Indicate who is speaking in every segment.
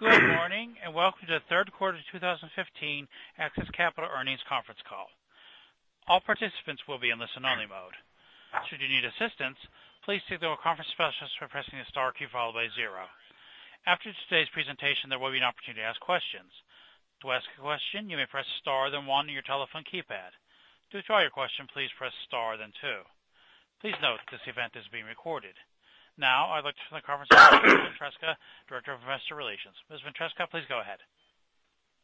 Speaker 1: Good morning, and welcome to the third quarter 2015 AXIS Capital earnings conference call. All participants will be in listen only mode. Should you need assistance, please signal a conference specialist by pressing the star key followed by zero. After today's presentation, there will be an opportunity to ask questions. To ask a question, you may press star, then one on your telephone keypad. To withdraw your question, please press star then two. Please note, this event is being recorded. Now, I'd like to turn the conference over to Linda Ventresca, Director of Investor Relations. Ms. Ventresca, please go ahead.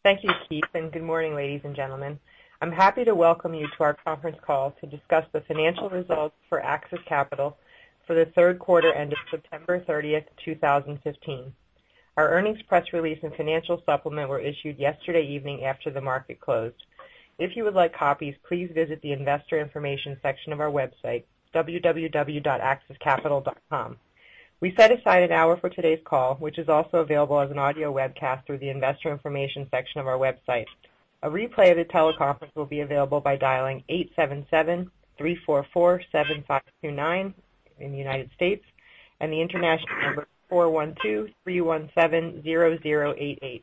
Speaker 2: Thank you, Keith, and good morning, ladies and gentlemen. I'm happy to welcome you to our conference call to discuss the financial results for AXIS Capital for the third quarter ending September 30, 2015. Our earnings press release and financial supplement were issued yesterday evening after the market closed. If you would like copies, please visit the investor information section of our website, www.axiscapital.com. We set aside an hour for today's call, which is also available as an audio webcast through the investor information section of our website. A replay of the teleconference will be available by dialing 877-344-7529 in the United States, and the international number is 412-317-0088.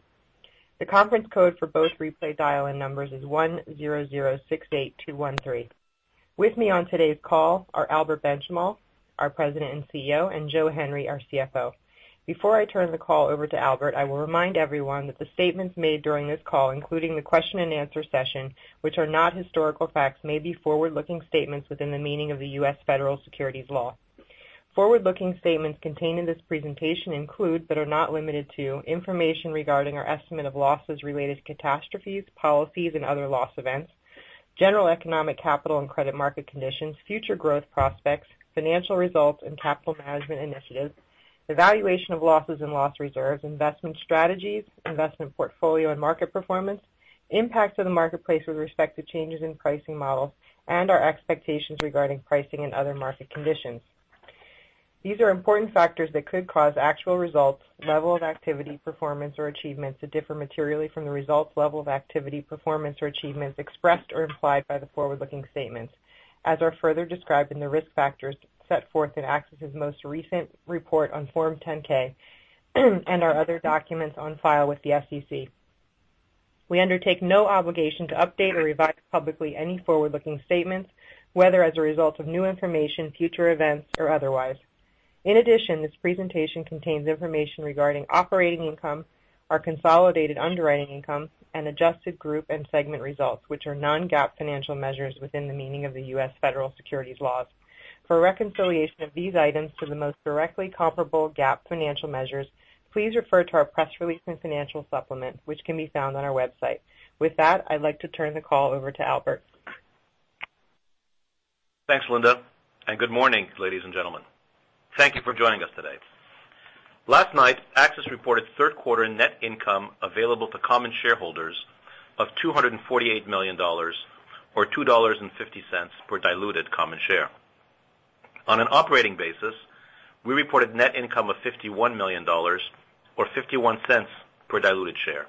Speaker 2: The conference code for both replay dial in numbers is 10068213. With me on today's call are Albert Benchimol, our President and CEO, and Joseph Henry, our CFO. Before I turn the call over to Albert, I will remind everyone that the statements made during this call, including the question and answer session, which are not historical facts, may be forward-looking statements within the meaning of the U.S. Federal Securities law. Forward-looking statements contained in this presentation include, but are not limited to, information regarding our estimate of losses related to catastrophes, policies, and other loss events, general economic capital and credit market conditions, future growth prospects, financial results and capital management initiatives, the valuation of losses and loss reserves, investment strategies, investment portfolio and market performance, the impact to the marketplace with respect to changes in pricing models, and our expectations regarding pricing and other market conditions. These are important factors that could cause actual results, level of activity, performance, or achievements to differ materially from the results, level of activity, performance or achievements expressed or implied by the forward-looking statements, as are further described in the risk factors set forth in AXIS' most recent report on Form 10-K and our other documents on file with the SEC. We undertake no obligation to update or revise publicly any forward-looking statements, whether as a result of new information, future events, or otherwise. In addition, this presentation contains information regarding operating income, our consolidated underwriting income, and adjusted group and segment results, which are non-GAAP financial measures within the meaning of the U.S. federal securities laws. For a reconciliation of these items to the most directly comparable GAAP financial measures, please refer to our press release and financial supplement, which can be found on our website. With that, I'd like to turn the call over to Albert.
Speaker 3: Thanks, Linda, good morning, ladies and gentlemen. Thank you for joining us today. Last night, AXIS reported third quarter net income available to common shareholders of $248 million or $2.50 per diluted common share. On an operating basis, we reported net income of $51 million or $0.51 per diluted share.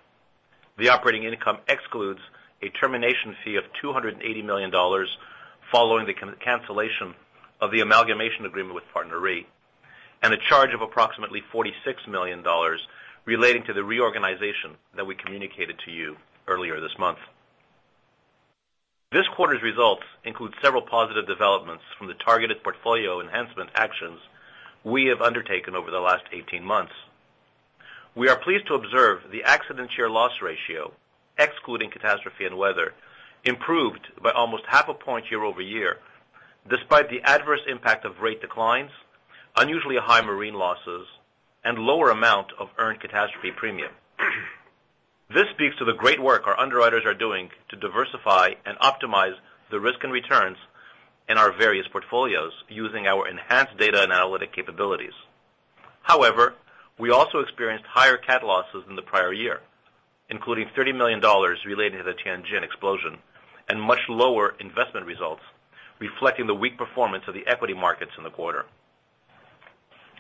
Speaker 3: The operating income excludes a termination fee of $280 million following the cancellation of the amalgamation agreement with PartnerRe, and a charge of approximately $46 million relating to the reorganization that we communicated to you earlier this month. This quarter's results include several positive developments from the targeted portfolio enhancement actions we have undertaken over the last 18 months.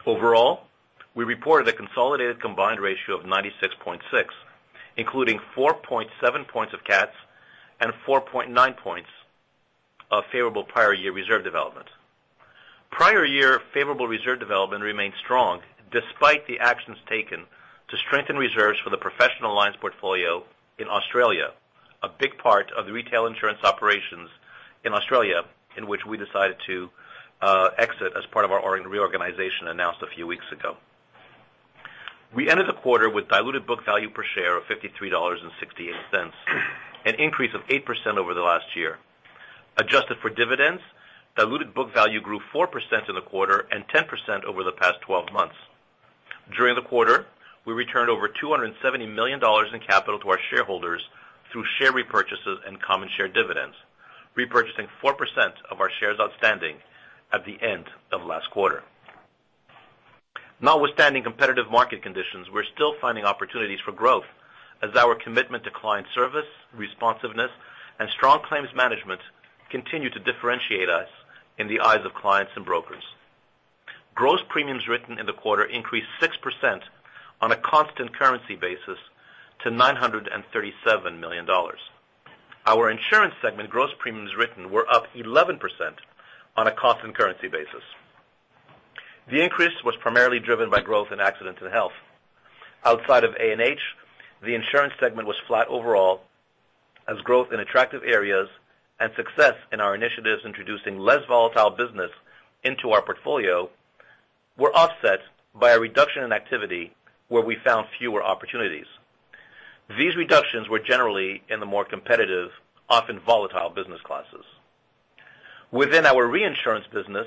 Speaker 3: Prior year favorable reserve development remains strong despite the actions taken to strengthen reserves for the Professional Lines portfolio in Australia, a big part of the retail insurance operations in Australia, in which we decided to exit as part of our reorganization announced a few weeks ago. We ended the quarter with diluted book value per share of $53.68, an increase of 8% over the last year. Adjusted for dividends, diluted book value grew 4% in the quarter and 10% over the past 12 months. During the quarter, we returned over $270 million in capital to our shareholders through share repurchases and common share dividends, repurchasing 4% of our shares outstanding at the end of last quarter. Notwithstanding competitive market conditions, we're still finding opportunities for growth as our commitment to client service, responsiveness, and strong claims management continue on a constant currency basis. The increase was primarily driven by growth in Accident & Health. Outside of A&H, the insurance segment was flat overall as growth in attractive areas and success in our initiatives introducing less volatile business into our portfolio were offset by a reduction in activity where we found fewer opportunities. These reductions were generally in the more competitive, often volatile business classes. Within our reinsurance business,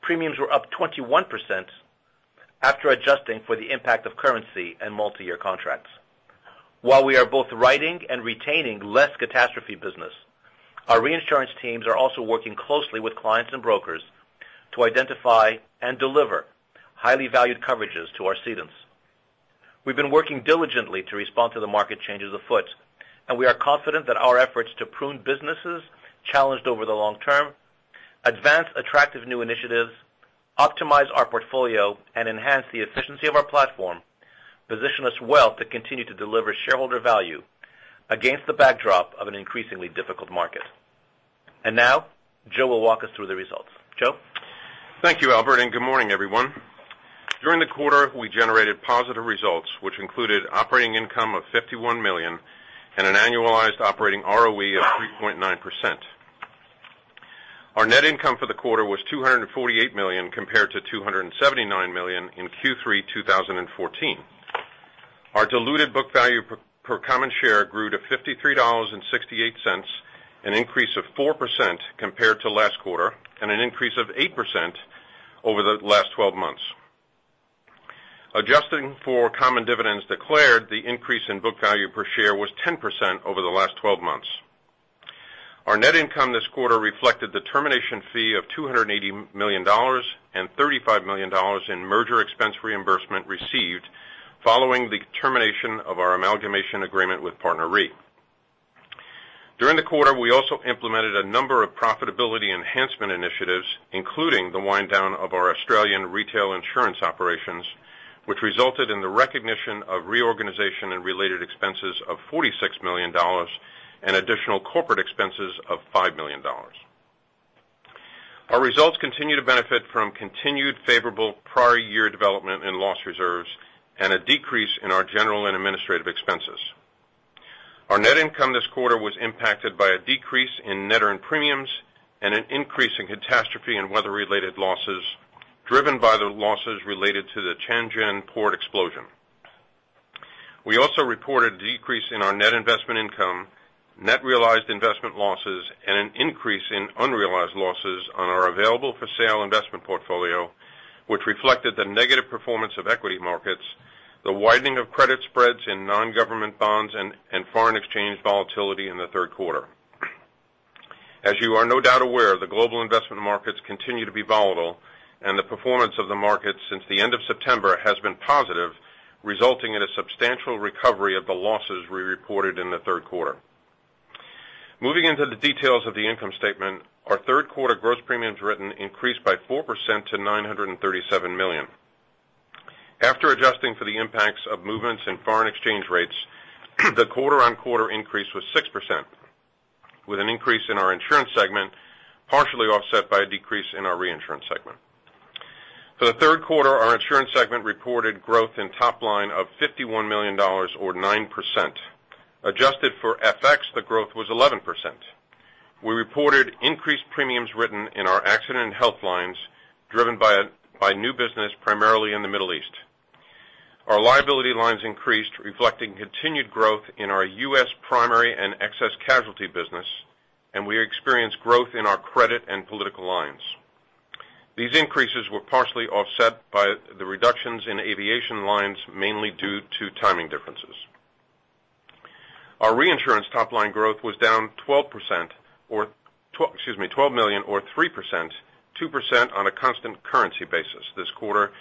Speaker 3: premiums were up 21% after adjusting for the impact of currency and multi-year contracts. While we are both writing and retaining less catastrophe business, our reinsurance teams are also working closely with clients and brokers to identify and deliver highly valued coverages to our cedents. We've been working diligently to respond to the market changes afoot, we are confident that our efforts to prune businesses challenged over the long term, advance attractive new initiatives, optimize our portfolio, and enhance the efficiency of our platform, position us well to continue to deliver shareholder value against the backdrop of an increasingly difficult market. Now Joe will walk us through the results. Joe?
Speaker 4: Thank you, Albert, and good morning, everyone. During the quarter, we generated positive results, which included operating income of $51 million and an annualized operating ROE of 3.9%. Our net income for the quarter was $248 million compared to $279 million in Q3 2014. Our diluted book value per common share grew to $53.68, an increase of 4% compared to last quarter and an increase of 8% over the last 12 months. Adjusting for common dividends declared, the increase in book value per share was 10% over the last 12 months. Our net income this quarter reflected the termination fee of $280 million and $35 million in merger expense reimbursement received following the termination of our amalgamation agreement with PartnerRe. During the quarter, we also implemented a number of profitability enhancement initiatives, including the wind down of our Australian retail insurance operations, which resulted in the recognition of reorganization and related expenses of $46 million and additional corporate expenses of $5 million. Our results continue to benefit from continued favorable prior year development in loss reserves and a decrease in our general and administrative expenses. Our net income this quarter was impacted by a decrease in net earned premiums and an increase in catastrophe and weather-related losses driven by the losses related to the Tianjin port explosion. We also reported a decrease in our net investment income, net realized investment losses, and an increase in unrealized losses on our available-for-sale investment portfolio, which reflected the negative performance of equity markets, the widening of credit spreads in non-government bonds, and foreign exchange volatility in the third quarter. As you are no doubt aware, the global investment markets continue to be volatile, the performance of the markets since the end of September has been positive, resulting in a substantial recovery of the losses we reported in the third quarter. Moving into the details of the income statement, our third quarter gross premiums written increased by 4% to $937 million. After adjusting for the impacts of movements in foreign exchange rates, the quarter-on-quarter increase was 6%, with an increase in our insurance segment partially offset by a decrease in our reinsurance segment. For the third quarter, our insurance segment reported growth in top line of $51 million or 9%. Adjusted for FX, the growth was 11%. We reported increased premiums written in our accident and health lines, driven by new business primarily in the Middle East. Our liability lines increased, reflecting continued growth in our U.S. primary and excess casualty business. We experienced growth in our credit and political lines. These increases were partially offset by the reductions in aviation lines, mainly due to timing differences. Our reinsurance top-line growth was down $12 million or 3%, 2% on a constant currency basis this quarter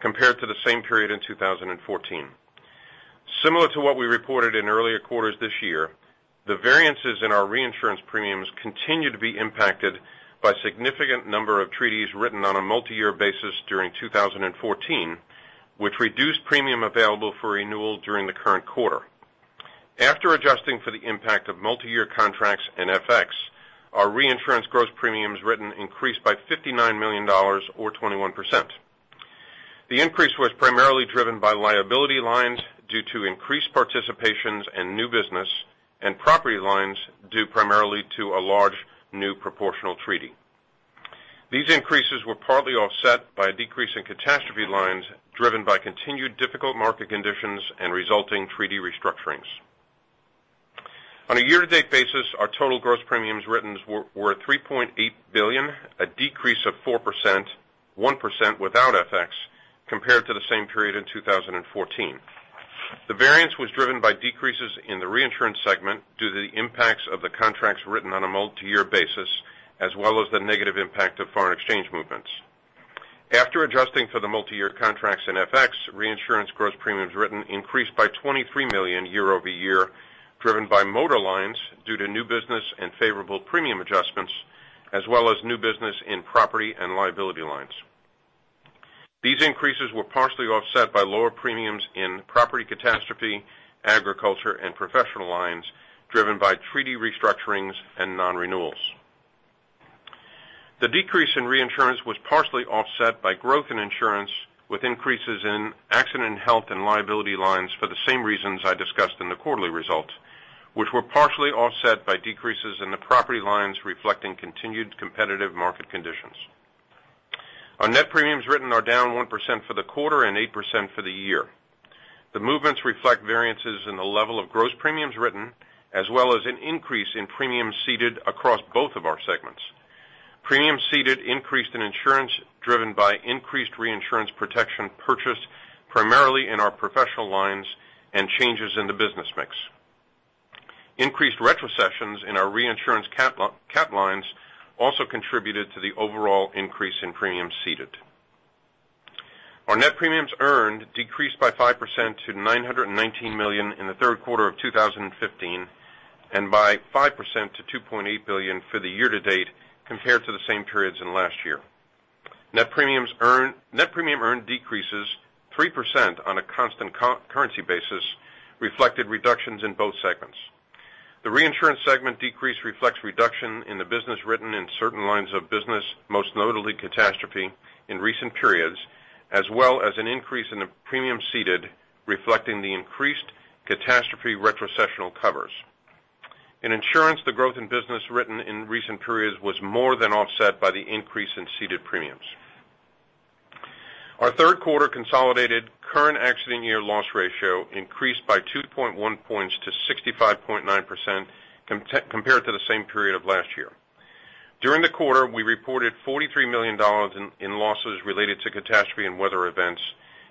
Speaker 4: compared to the same period in 2014. Similar to what we reported in earlier quarters this year, the variances in our reinsurance premiums continue to be impacted by significant number of treaties written on a multi-year basis during 2014, which reduced premium available for renewal during the current quarter. After adjusting for the impact of multi-year contracts and FX, our reinsurance gross premiums written increased by $59 million or 21%. The increase was primarily driven by liability lines due to increased participations and new business. Property lines due primarily to a large new proportional treaty. These increases were partly offset by a decrease in catastrophe lines driven by continued difficult market conditions and resulting treaty restructurings. On a year-to-date basis, our total gross premiums written were $3.8 billion, a decrease of 4%, 1% without FX, compared to the same period in 2014. The variance was driven by decreases in the reinsurance segment due to the impacts of the contracts written on a multi-year basis, as well as the negative impact of foreign exchange movements. After adjusting for the multi-year contracts in FX, reinsurance gross premiums written increased by $23 million year-over-year, driven by motor lines due to new business and favorable premium adjustments, as well as new business in property and liability lines. These increases were partially offset by lower premiums in property catastrophe, agriculture, and Professional Lines, driven by treaty restructurings and nonrenewals. The decrease in reinsurance was partially offset by growth in insurance with increases in accident health and liability lines for the same reasons I discussed in the quarterly results, which were partially offset by decreases in the property lines reflecting continued competitive market conditions. Our net premiums written are down 1% for the quarter and 8% for the year. The movements reflect variances in the level of gross premiums written, as well as an increase in premiums ceded across both of our segments. Premiums ceded increased in insurance, driven by increased reinsurance protection purchased primarily in our Professional Lines and changes in the business mix. Increased retrocessions in our reinsurance cap lines also contributed to the overall increase in premiums ceded. Our net premiums earned decreased by 5% to $919 million in the third quarter of 2015, and by 5% to $2.8 billion for the year to date compared to the same periods in last year. Net premium earned decreases 3% on a constant currency basis, reflected reductions in both segments. The reinsurance segment decrease reflects reduction in the business written in certain lines of business, most notably catastrophe in recent periods, as well as an increase in the premium ceded, reflecting the increased catastrophe retrocessional covers. In insurance, the growth in business written in recent periods was more than offset by the increase in ceded premiums. Our third quarter consolidated current accident year loss ratio increased by 2.1 points to 65.9% compared to the same period of last year. During the quarter, we reported $43 million in losses related to catastrophe and weather events,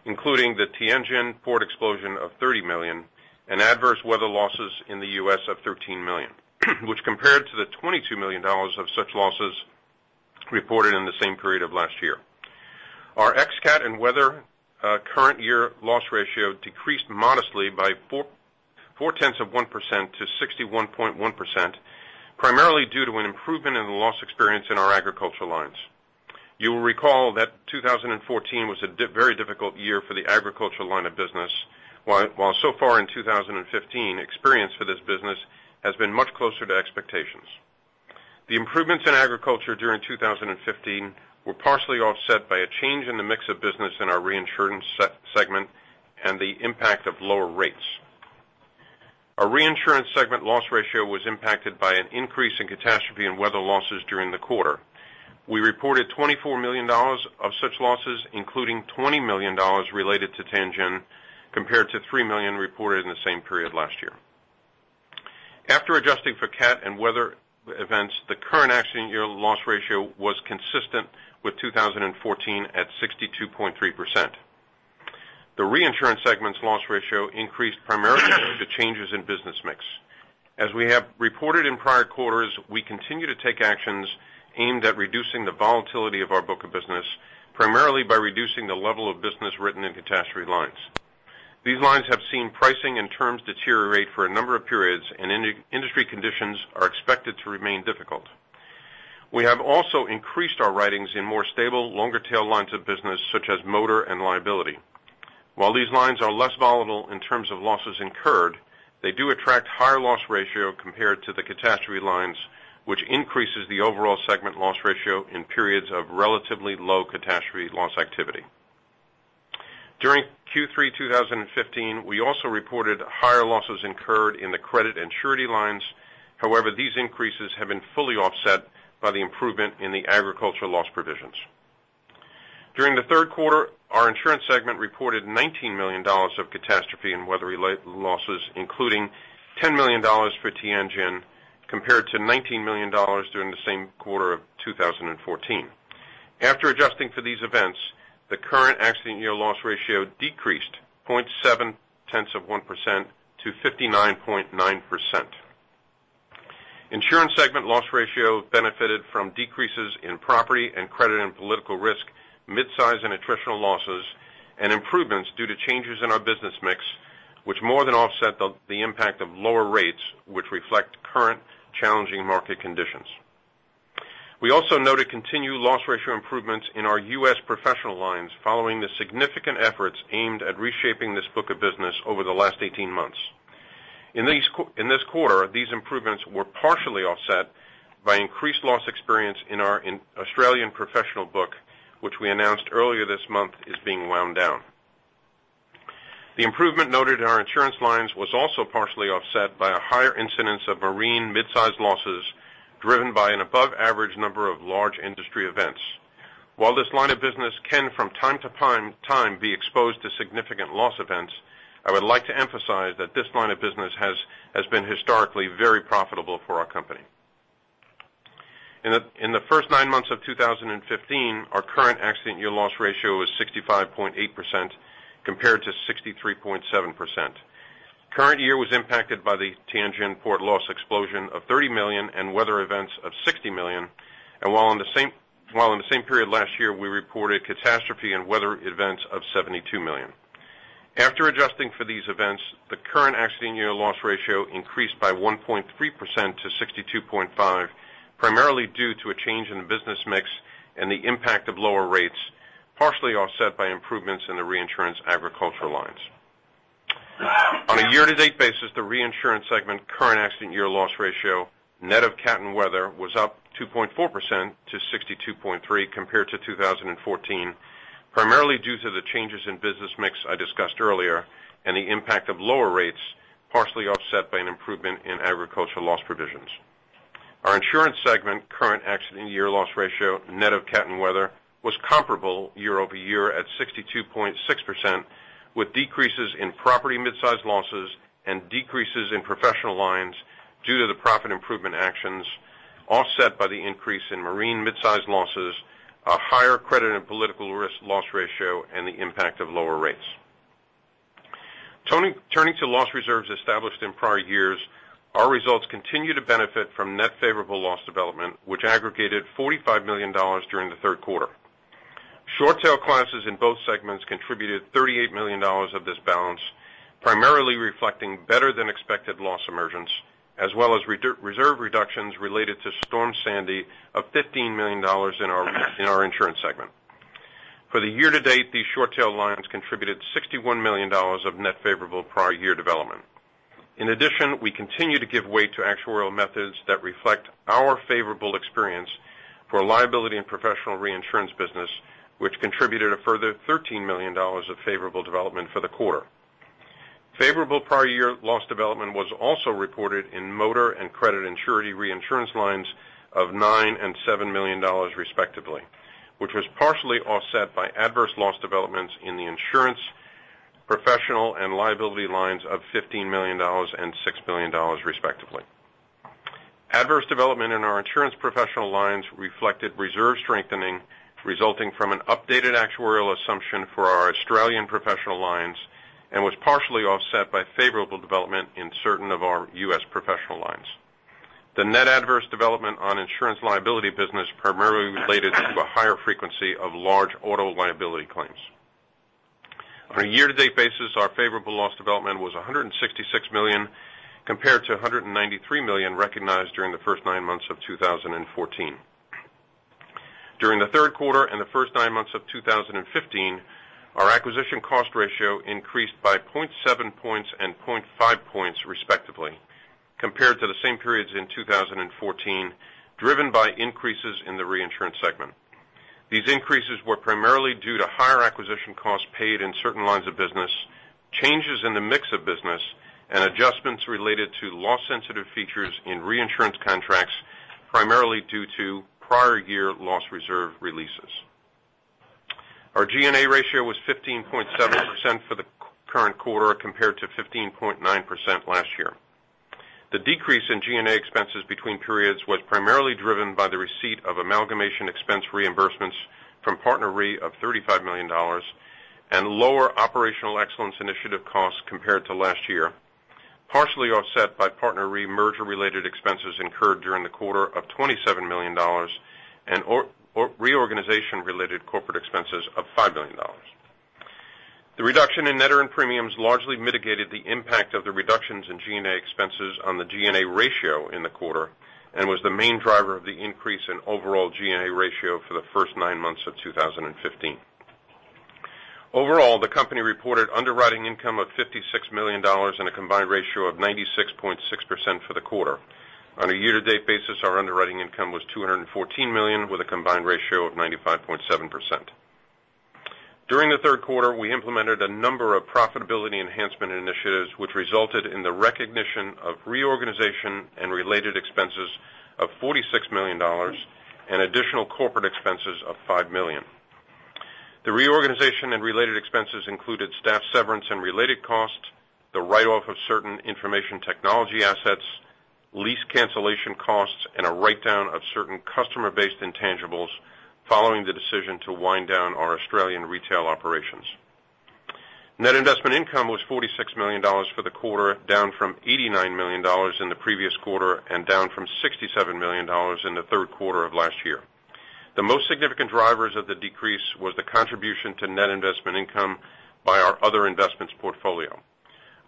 Speaker 4: including the Tianjin Port explosion of $30 million and adverse weather losses in the U.S. of $13 million, which compared to the $22 million of such losses reported in the same period of last year. Our ex cat and weather current year loss ratio decreased modestly by four-tenths of 1% to 61.1%, primarily due to an improvement in the loss experience in our agricultural lines. You will recall that 2014 was a very difficult year for the agricultural line of business, while so far in 2015, experience for this business has been much closer to expectations. The improvements in agriculture during 2015 were partially offset by a change in the mix of business in our reinsurance segment and the impact of lower rates. Our reinsurance segment loss ratio was impacted by an increase in catastrophe and weather losses during the quarter. We reported $24 million of such losses, including $20 million related to Tianjin, compared to $3 million reported in the same period last year. After adjusting for cat and weather events, the current accident year loss ratio was consistent with 2014 at 62.3%. The reinsurance segment's loss ratio increased primarily to changes in business mix. As we have reported in prior quarters, we continue to take actions aimed at reducing the volatility of our book of business, primarily by reducing the level of business written in catastrophe lines. These lines have seen pricing and terms deteriorate for a number of periods, and industry conditions are expected to remain difficult. We have also increased our writings in more stable, longer tail lines of business such as motor and liability. While these lines are less volatile in terms of losses incurred, they do attract higher loss ratio compared to the catastrophe lines, which increases the overall segment loss ratio in periods of relatively low catastrophe loss activity. During Q3 2015, we also reported higher losses incurred in the credit and surety lines. However, these increases have been fully offset by the improvement in the agricultural loss provisions. During the third quarter, our insurance segment reported $19 million of catastrophe and weather-related losses, including $10 million for Tianjin, compared to $19 million during the same quarter of 2014. After adjusting for these events, the current accident year loss ratio decreased 0.7 tenths of 1% to 59.9%. Insurance segment loss ratio benefited from decreases in property and credit and political risk, mid-size and attritional losses, and improvements due to changes in our business mix, which more than offset the impact of lower rates, which reflect current challenging market conditions. We also noted continued loss ratio improvements in our U.S. Professional Lines following the significant efforts aimed at reshaping this book of business over the last 18 months. In this quarter, these improvements were partially offset by increased loss experience in our Australian professional book, which we announced earlier this month is being wound down. The improvement noted in our insurance lines was also partially offset by a higher incidence of marine mid-size losses driven by an above-average number of large industry events. While this line of business can from time to time be exposed to significant loss events, I would like to emphasize that this line of business has been historically very profitable for our company. In the first nine months of 2015, our current accident year loss ratio was 65.8% compared to 63.7%. Current year was impacted by the Tianjin port loss explosion of $30 million and weather events of $60 million. While in the same period last year, we reported catastrophe and weather events of $72 million. After adjusting for these events, the current accident year loss ratio increased by 1.3% to 62.5%, primarily due to a change in the business mix and the impact of lower rates, partially offset by improvements in the reinsurance agricultural lines. On a year-to-date basis, the reinsurance segment current accident year loss ratio, net of cat and weather, was up 2.4% to 62.3% compared to 2014, primarily due to the changes in business mix I discussed earlier and the impact of lower rates, partially offset by an improvement in agricultural loss provisions. Our insurance segment current accident year loss ratio, net of cat and weather, was comparable year-over-year at 62.6%, with decreases in property mid-sized losses and decreases in Professional Lines due to the profit improvement actions, offset by the increase in marine mid-sized losses, a higher credit and political risk loss ratio, and the impact of lower rates. Turning to loss reserves established in prior years, our results continue to benefit from net favorable loss development, which aggregated $45 million during the third quarter. Short-tail classes in both segments contributed $38 million of this balance, primarily reflecting better-than-expected loss emergence, as well as reserve reductions related to Superstorm Sandy of $15 million in our insurance segment. For the year-to-date, these short-tail lines contributed $61 million of net favorable prior year development. In addition, we continue to give weight to actuarial methods that reflect our favorable experience for liability and Professional reinsurance business, which contributed a further $13 million of favorable development for the quarter. Favorable prior year loss development was also reported in motor and credit and surety reinsurance lines of $9 million and $7 million respectively, which was partially offset by adverse loss developments in the insurance, Professional, and liability lines of $15 million and $6 million respectively. Adverse development in our insurance Professional Lines reflected reserve strengthening resulting from an updated actuarial assumption for our Australian Professional Lines and was partially offset by favorable development in certain of our U.S. Professional Lines. The net adverse development on insurance liability business primarily related to a higher frequency of large auto liability claims. On a year-to-date basis, our favorable loss development was $166 million compared to $193 million recognized during the first nine months of 2014. During the third quarter and the first nine months of 2015, our acquisition cost ratio increased by 0.7 points and 0.5 points respectively compared to the same periods in 2014, driven by increases in the reinsurance segment. These increases were primarily due to higher acquisition costs paid in certain lines of business, changes in the mix of business, and adjustments related to loss-sensitive features in reinsurance contracts, primarily due to prior year loss reserve releases. Our G&A ratio was 15.7% for the current quarter compared to 15.9% last year. The decrease in G&A expenses between periods was primarily driven by the receipt of amalgamation expense reimbursements from PartnerRe of $35 million and lower operational excellence initiative costs compared to last year, partially offset by PartnerRe merger-related expenses incurred during the quarter of $27 million and reorganization-related corporate expenses of $5 million. The reduction in net earned premiums largely mitigated the impact of the reductions in G&A expenses on the G&A ratio in the quarter and was the main driver of the increase in overall G&A ratio for the first nine months of 2015. Overall, the company reported underwriting income of $56 million and a combined ratio of 96.6% for the quarter. On a year-to-date basis, our underwriting income was $214 million with a combined ratio of 95.7%. During the third quarter, we implemented a number of profitability enhancement initiatives, which resulted in the recognition of reorganization and related expenses of $46 million and additional corporate expenses of $5 million. The reorganization and related expenses included staff severance and related costs, the write-off of certain information technology assets, lease cancellation costs, and a write-down of certain customer-based intangibles following the decision to wind down our Australian retail operations. Net investment income was $46 million for the quarter, down from $89 million in the previous quarter and down from $67 million in the third quarter of last year. The most significant drivers of the decrease was the contribution to net investment income by our other investments portfolio.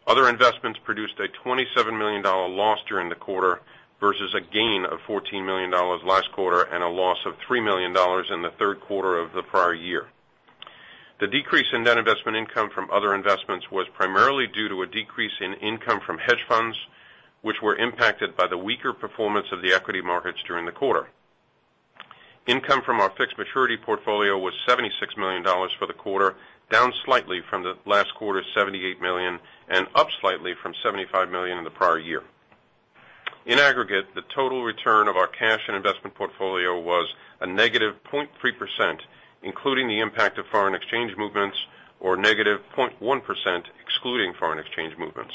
Speaker 4: Other investments produced a $27 million loss during the quarter versus a gain of $14 million last quarter and a loss of $3 million in the third quarter of the prior year. The decrease in net investment income from other investments was primarily due to a decrease in income from hedge funds, which were impacted by the weaker performance of the equity markets during the quarter. Income from our fixed maturity portfolio was $76 million for the quarter, down slightly from the last quarter's $78 million and up slightly from $75 million in the prior year. In aggregate, the total return of our cash and investment portfolio was a negative 0.3%, including the impact of foreign exchange movements, or negative 0.1% excluding foreign exchange movements.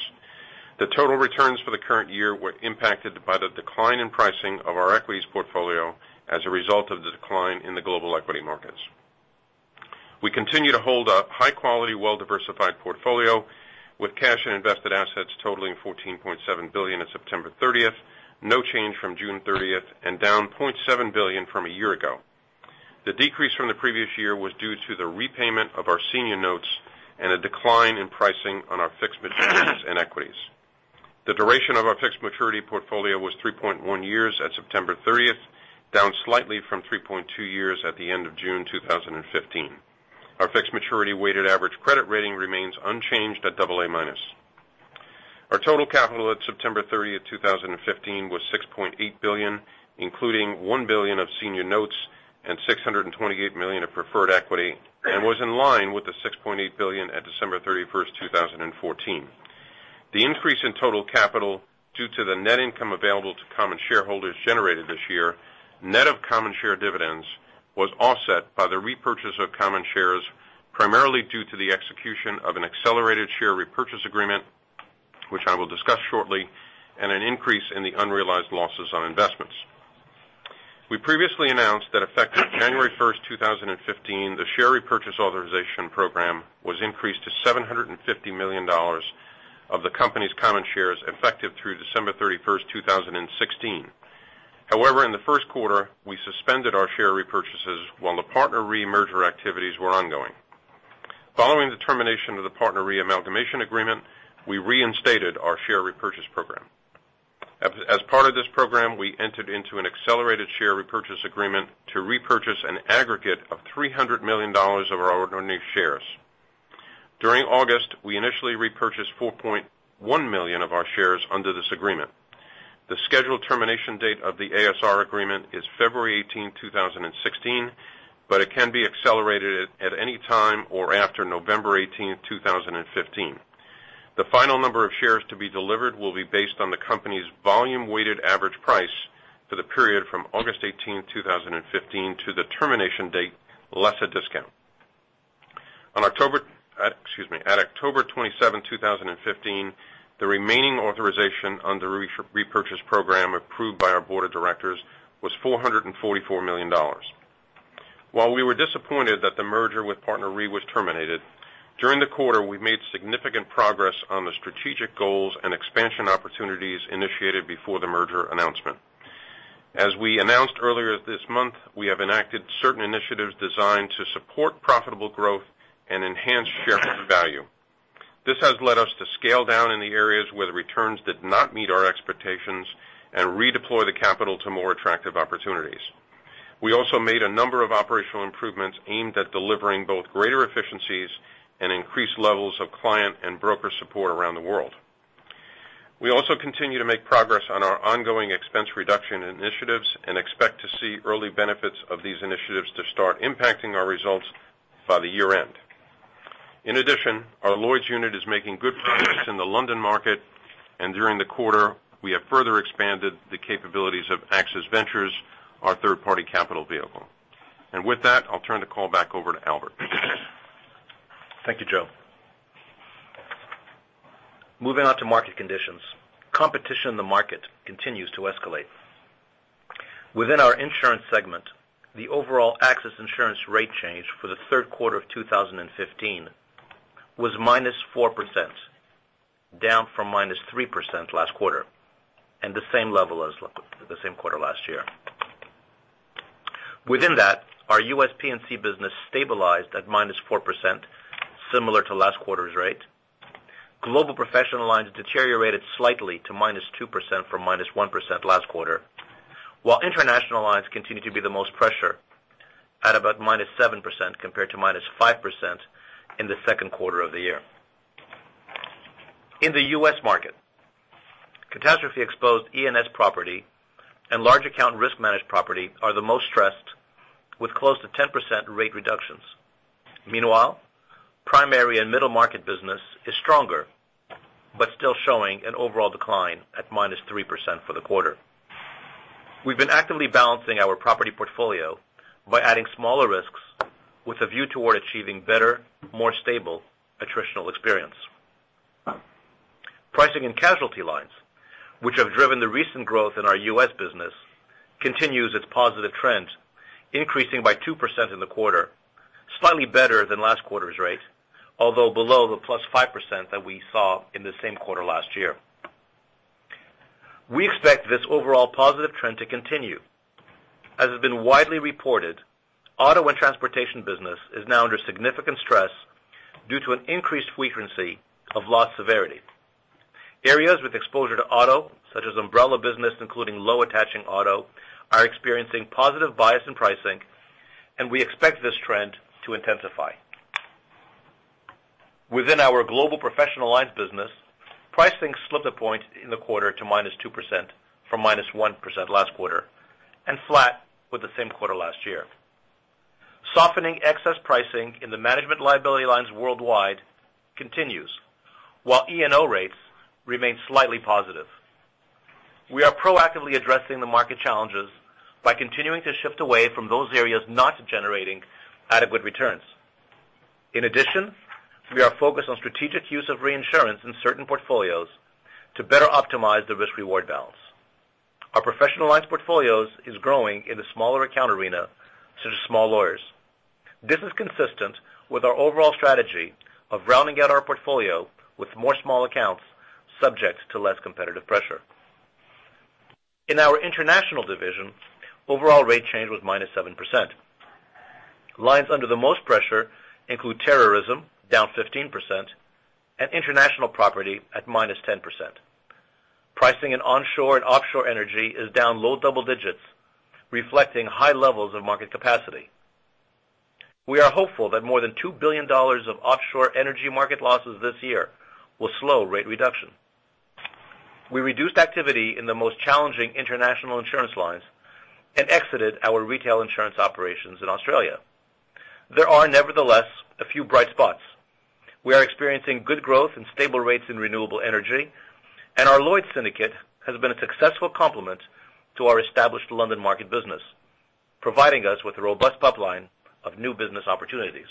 Speaker 4: The total returns for the current year were impacted by the decline in pricing of our equities portfolio as a result of the decline in the global equity markets. We continue to hold a high-quality, well-diversified portfolio with cash and invested assets totaling $14.7 billion at September 30th, no change from June 30th and down $0.7 billion from a year ago. The decrease from the previous year was due to the repayment of our senior notes and a decline in pricing on our fixed maturities and equities. The duration of our fixed maturity portfolio was 3.1 years at September 30th, down slightly from 3.2 years at the end of June 2015. Our fixed maturity weighted average credit rating remains unchanged at double A minus. Our total capital at September 30th, 2015, was $6.8 billion, including $1 billion of senior notes and $628 million of preferred equity, and was in line with the $6.8 billion at December 31st, 2014. The increase in total capital due to the net income available to common shareholders generated this year, net of common share dividends, was offset by the repurchase of common shares, primarily due to the execution of an accelerated share repurchase agreement, which I will discuss shortly, and an increase in the unrealized losses on investments. We previously announced that effective January 1st, 2015, the share repurchase authorization program was increased to $750 million of the company's common shares effective through December 31st, 2016. In the first quarter, we suspended our share repurchases while the PartnerRe merger activities were ongoing. Following the termination of the PartnerRe amalgamation agreement, we reinstated our share repurchase program. As part of this program, we entered into an accelerated share repurchase agreement to repurchase an aggregate of $300 million of our ordinary shares. During August, we initially repurchased 4.1 million of our shares under this agreement. The scheduled termination date of the ASR agreement is February 18, 2016, but it can be accelerated at any time or after November 18, 2015. The final number of shares to be delivered will be based on the company's volume weighted average price for the period from August 18, 2015, to the termination date, less a discount. At October 27th, 2015, the remaining authorization on the repurchase program approved by our board of directors was $444 million. We were disappointed that the merger with PartnerRe was terminated, during the quarter, we made significant progress on the strategic goals and expansion opportunities initiated before the merger announcement. As we announced earlier this month, we have enacted certain initiatives designed to support profitable growth and enhance shareholder value. This has led us to scale down in the areas where the returns did not meet our expectations and redeploy the capital to more attractive opportunities. We also made a number of operational improvements aimed at delivering both greater efficiencies and increased levels of client and broker support around the world. We also continue to make progress on our ongoing expense reduction initiatives and expect to see early benefits of these initiatives to start impacting our results by the year-end. In addition, our Lloyd's unit is making good progress in the London market, and during the quarter, we have further expanded the capabilities of AXIS Ventures, our third-party capital vehicle. With that, I'll turn the call back over to Albert.
Speaker 3: Thank you, Joe. Moving on to market conditions. Competition in the market continues to escalate. Within our insurance segment, the overall AXIS insurance rate change for the third quarter of 2015 was -4%, down from -3% last quarter, and the same level as the same quarter last year. Within that, our U.S. P&C business stabilized at -4%, similar to last quarter's rate. Global Professional Lines deteriorated slightly to -2% from -1% last quarter, while international lines continue to be the most pressured at about -7% compared to -5% in the second quarter of the year. In the U.S. market, catastrophe-exposed E&S property and large account risk managed property are the most stressed, with close to 10% rate reductions. Meanwhile, primary and middle market business is stronger, but still showing an overall decline at -3% for the quarter. We've been actively balancing our property portfolio by adding smaller risks with a view toward achieving better, more stable attritional experience. Pricing in casualty lines, which have driven the recent growth in our U.S. business, continues its positive trend, increasing by 2% in the quarter, slightly better than last quarter's rate, although below the +5% that we saw in the same quarter last year. We expect this overall positive trend to continue. As has been widely reported, auto and transportation business is now under significant stress due to an increased frequency of loss severity. Areas with exposure to auto, such as umbrella business, including low attaching auto, are experiencing positive bias in pricing, and we expect this trend to intensify. Within our Global Professional Lines business, pricing slipped a point in the quarter to -2% from -1% last quarter, and flat with the same quarter last year. Softening excess pricing in the management liability lines worldwide continues, while E&O rates remain slightly positive. In addition, we are focused on strategic use of reinsurance in certain portfolios to better optimize the risk-reward balance. Our Professional Lines portfolios is growing in the smaller account arena, such as small lawyers. This is consistent with our overall strategy of rounding out our portfolio with more small accounts subject to less competitive pressure. In our international division, overall rate change was -7%. Lines under the most pressure include terrorism, down 15%, and international property at -10%. Pricing in onshore and offshore energy is down low double digits, reflecting high levels of market capacity. We are hopeful that more than $2 billion of offshore energy market losses this year will slow rate reduction. We reduced activity in the most challenging international insurance lines and exited our retail insurance operations in Australia. There are nevertheless a few bright spots. We are experiencing good growth and stable rates in renewable energy, and our Lloyd's syndicate has been a successful complement to our established London market business, providing us with a robust pipeline of new business opportunities.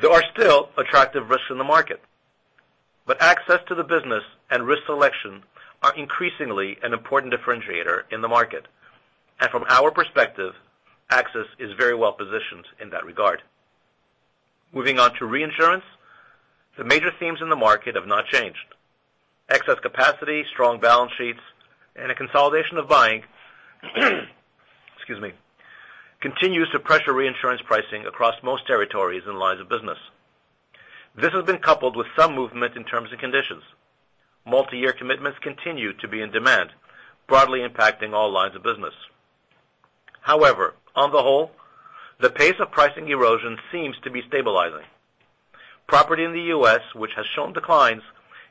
Speaker 3: There are still attractive risks in the market, but access to the business and risk selection are increasingly an important differentiator in the market. From our perspective, AXIS is very well positioned in that regard. Moving on to reinsurance. The major themes in the market have not changed. Excess capacity, strong balance sheets, and a consolidation of buying, excuse me, continues to pressure reinsurance pricing across most territories and lines of business. This has been coupled with some movement in terms and conditions. Multi-year commitments continue to be in demand, broadly impacting all lines of business. However, on the whole, the pace of pricing erosion seems to be stabilizing. Property in the U.S., which has shown declines,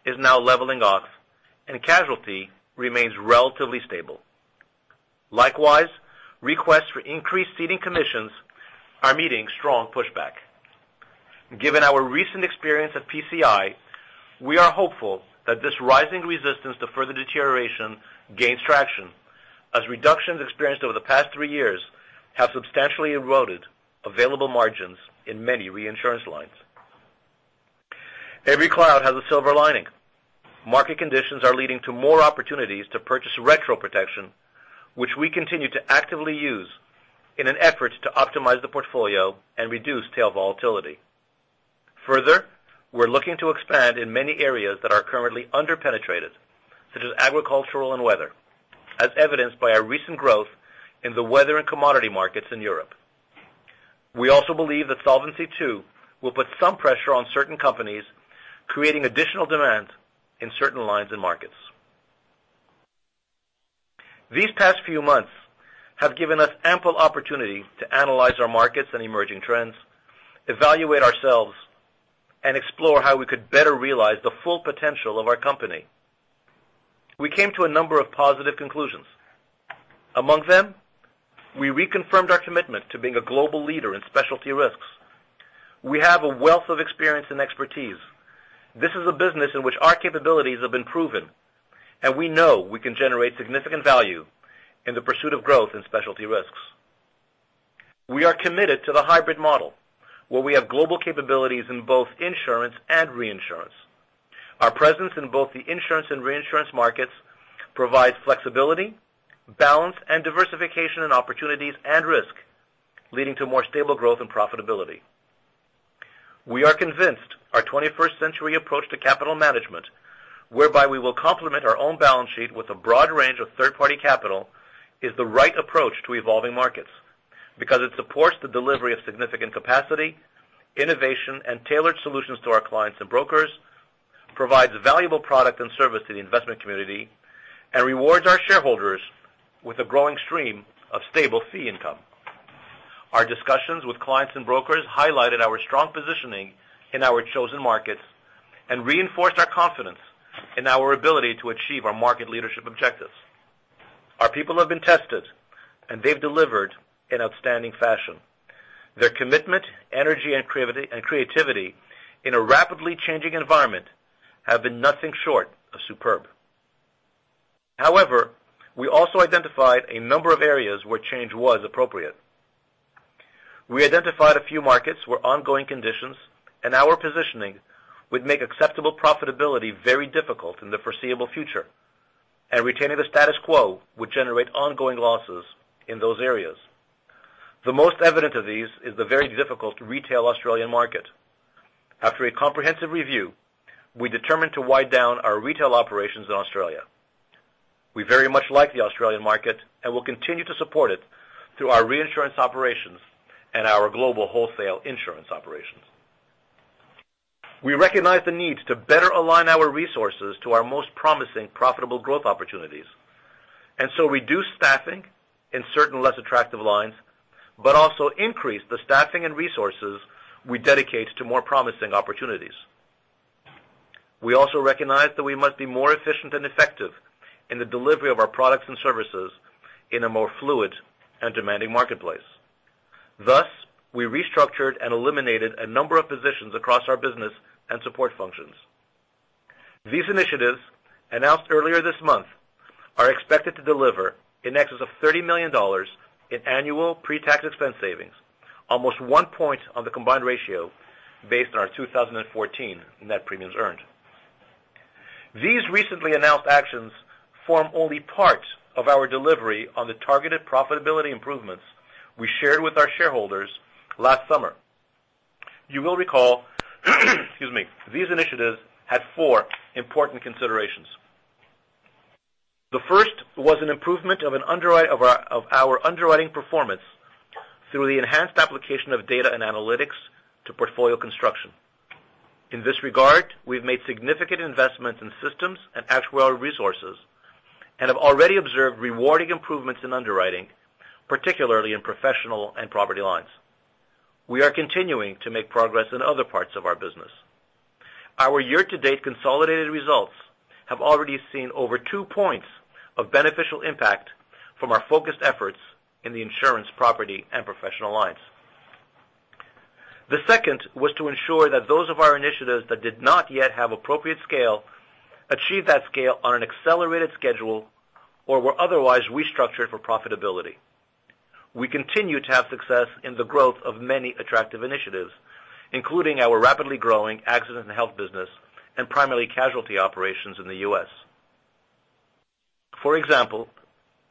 Speaker 3: is now leveling off, and casualty remains relatively stable. Likewise, requests for increased ceding commissions are meeting strong pushback. Given our recent experience at PCI, we are hopeful that this rising resistance to further deterioration gains traction, as reductions experienced over the past three years have substantially eroded available margins in many reinsurance lines. Every cloud has a silver lining. Market conditions are leading to more opportunities to purchase retro protection, which we continue to actively use in an effort to optimize the portfolio and reduce tail volatility. We're looking to expand in many areas that are currently under-penetrated, such as agricultural and weather, as evidenced by our recent growth in the weather and commodity markets in Europe. We also believe that Solvency II will put some pressure on certain companies, creating additional demand in certain lines and markets. These past few months have given us ample opportunity to analyze our markets and emerging trends, evaluate ourselves, and explore how we could better realize the full potential of our company. We came to a number of positive conclusions. Among them, we reconfirmed our commitment to being a global leader in specialty risks. We have a wealth of experience and expertise. This is a business in which our capabilities have been proven, and we know we can generate significant value in the pursuit of growth in specialty risks. We are committed to the hybrid model, where we have global capabilities in both insurance and reinsurance. Our presence in both the insurance and reinsurance markets provides flexibility, balance, and diversification in opportunities and risk, leading to more stable growth and profitability. We are convinced our 21st century approach to capital management, whereby we will complement our own balance sheet with a broad range of third-party capital, is the right approach to evolving markets because it supports the delivery of significant capacity, innovation, and tailored solutions to our clients and brokers, provides valuable product and service to the investment community, and rewards our shareholders with a growing stream of stable fee income. Our discussions with clients and brokers highlighted our strong positioning in our chosen markets and reinforced our confidence in our ability to achieve our market leadership objectives. Our people have been tested, and they've delivered in outstanding fashion. Their commitment, energy, and creativity in a rapidly changing environment have been nothing short of superb. We also identified a number of areas where change was appropriate. We identified a few markets where ongoing conditions and our positioning would make acceptable profitability very difficult in the foreseeable future, and retaining the status quo would generate ongoing losses in those areas. The most evident of these is the very difficult retail Australian market. After a comprehensive review, we determined to wind down our retail operations in Australia. We very much like the Australian market and will continue to support it through our reinsurance operations and our global wholesale insurance operations. We recognize the need to better align our resources to our most promising profitable growth opportunities, and so reduce staffing in certain less attractive lines, but also increase the staffing and resources we dedicate to more promising opportunities. We also recognize that we must be more efficient and effective in the delivery of our products and services in a more fluid and demanding marketplace. Thus, we restructured and eliminated a number of positions across our business and support functions. These initiatives, announced earlier this month, are expected to deliver in excess of $30 million in annual pre-tax expense savings, almost one point on the combined ratio based on our 2014 net premiums earned. These recently announced actions form only part of our delivery on the targeted profitability improvements we shared with our shareholders last summer. You will recall, excuse me, these initiatives had four important considerations. The first was an improvement of our underwriting performance through the enhanced application of data and analytics to portfolio construction. In this regard, we've made significant investments in systems and actuarial resources and have already observed rewarding improvements in underwriting, particularly in Professional Lines and property lines. We are continuing to make progress in other parts of our business. Our year-to-date consolidated results have already seen over two points of beneficial impact from our focused efforts in the insurance property and Professional Lines. The second was to ensure that those of our initiatives that did not yet have appropriate scale achieve that scale on an accelerated schedule or were otherwise restructured for profitability. We continue to have success in the growth of many attractive initiatives, including our rapidly growing accident and health business and primary casualty operations in the U.S. For example,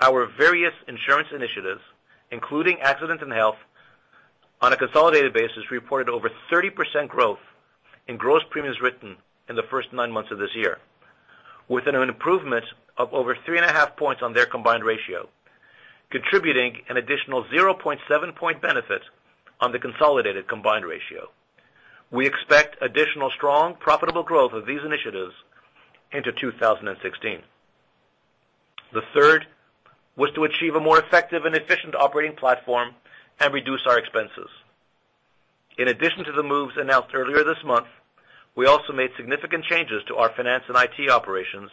Speaker 3: our various insurance initiatives, including accident and health, on a consolidated basis, reported over 30% growth in gross premiums written in the first nine months of this year, with an improvement of over three and a half points on their combined ratio, contributing an additional 0.7 point benefit on the consolidated combined ratio. We expect additional strong, profitable growth of these initiatives into 2016. The third was to achieve a more effective and efficient operating platform and reduce our expenses. In addition to the moves announced earlier this month, we also made significant changes to our finance and IT operations,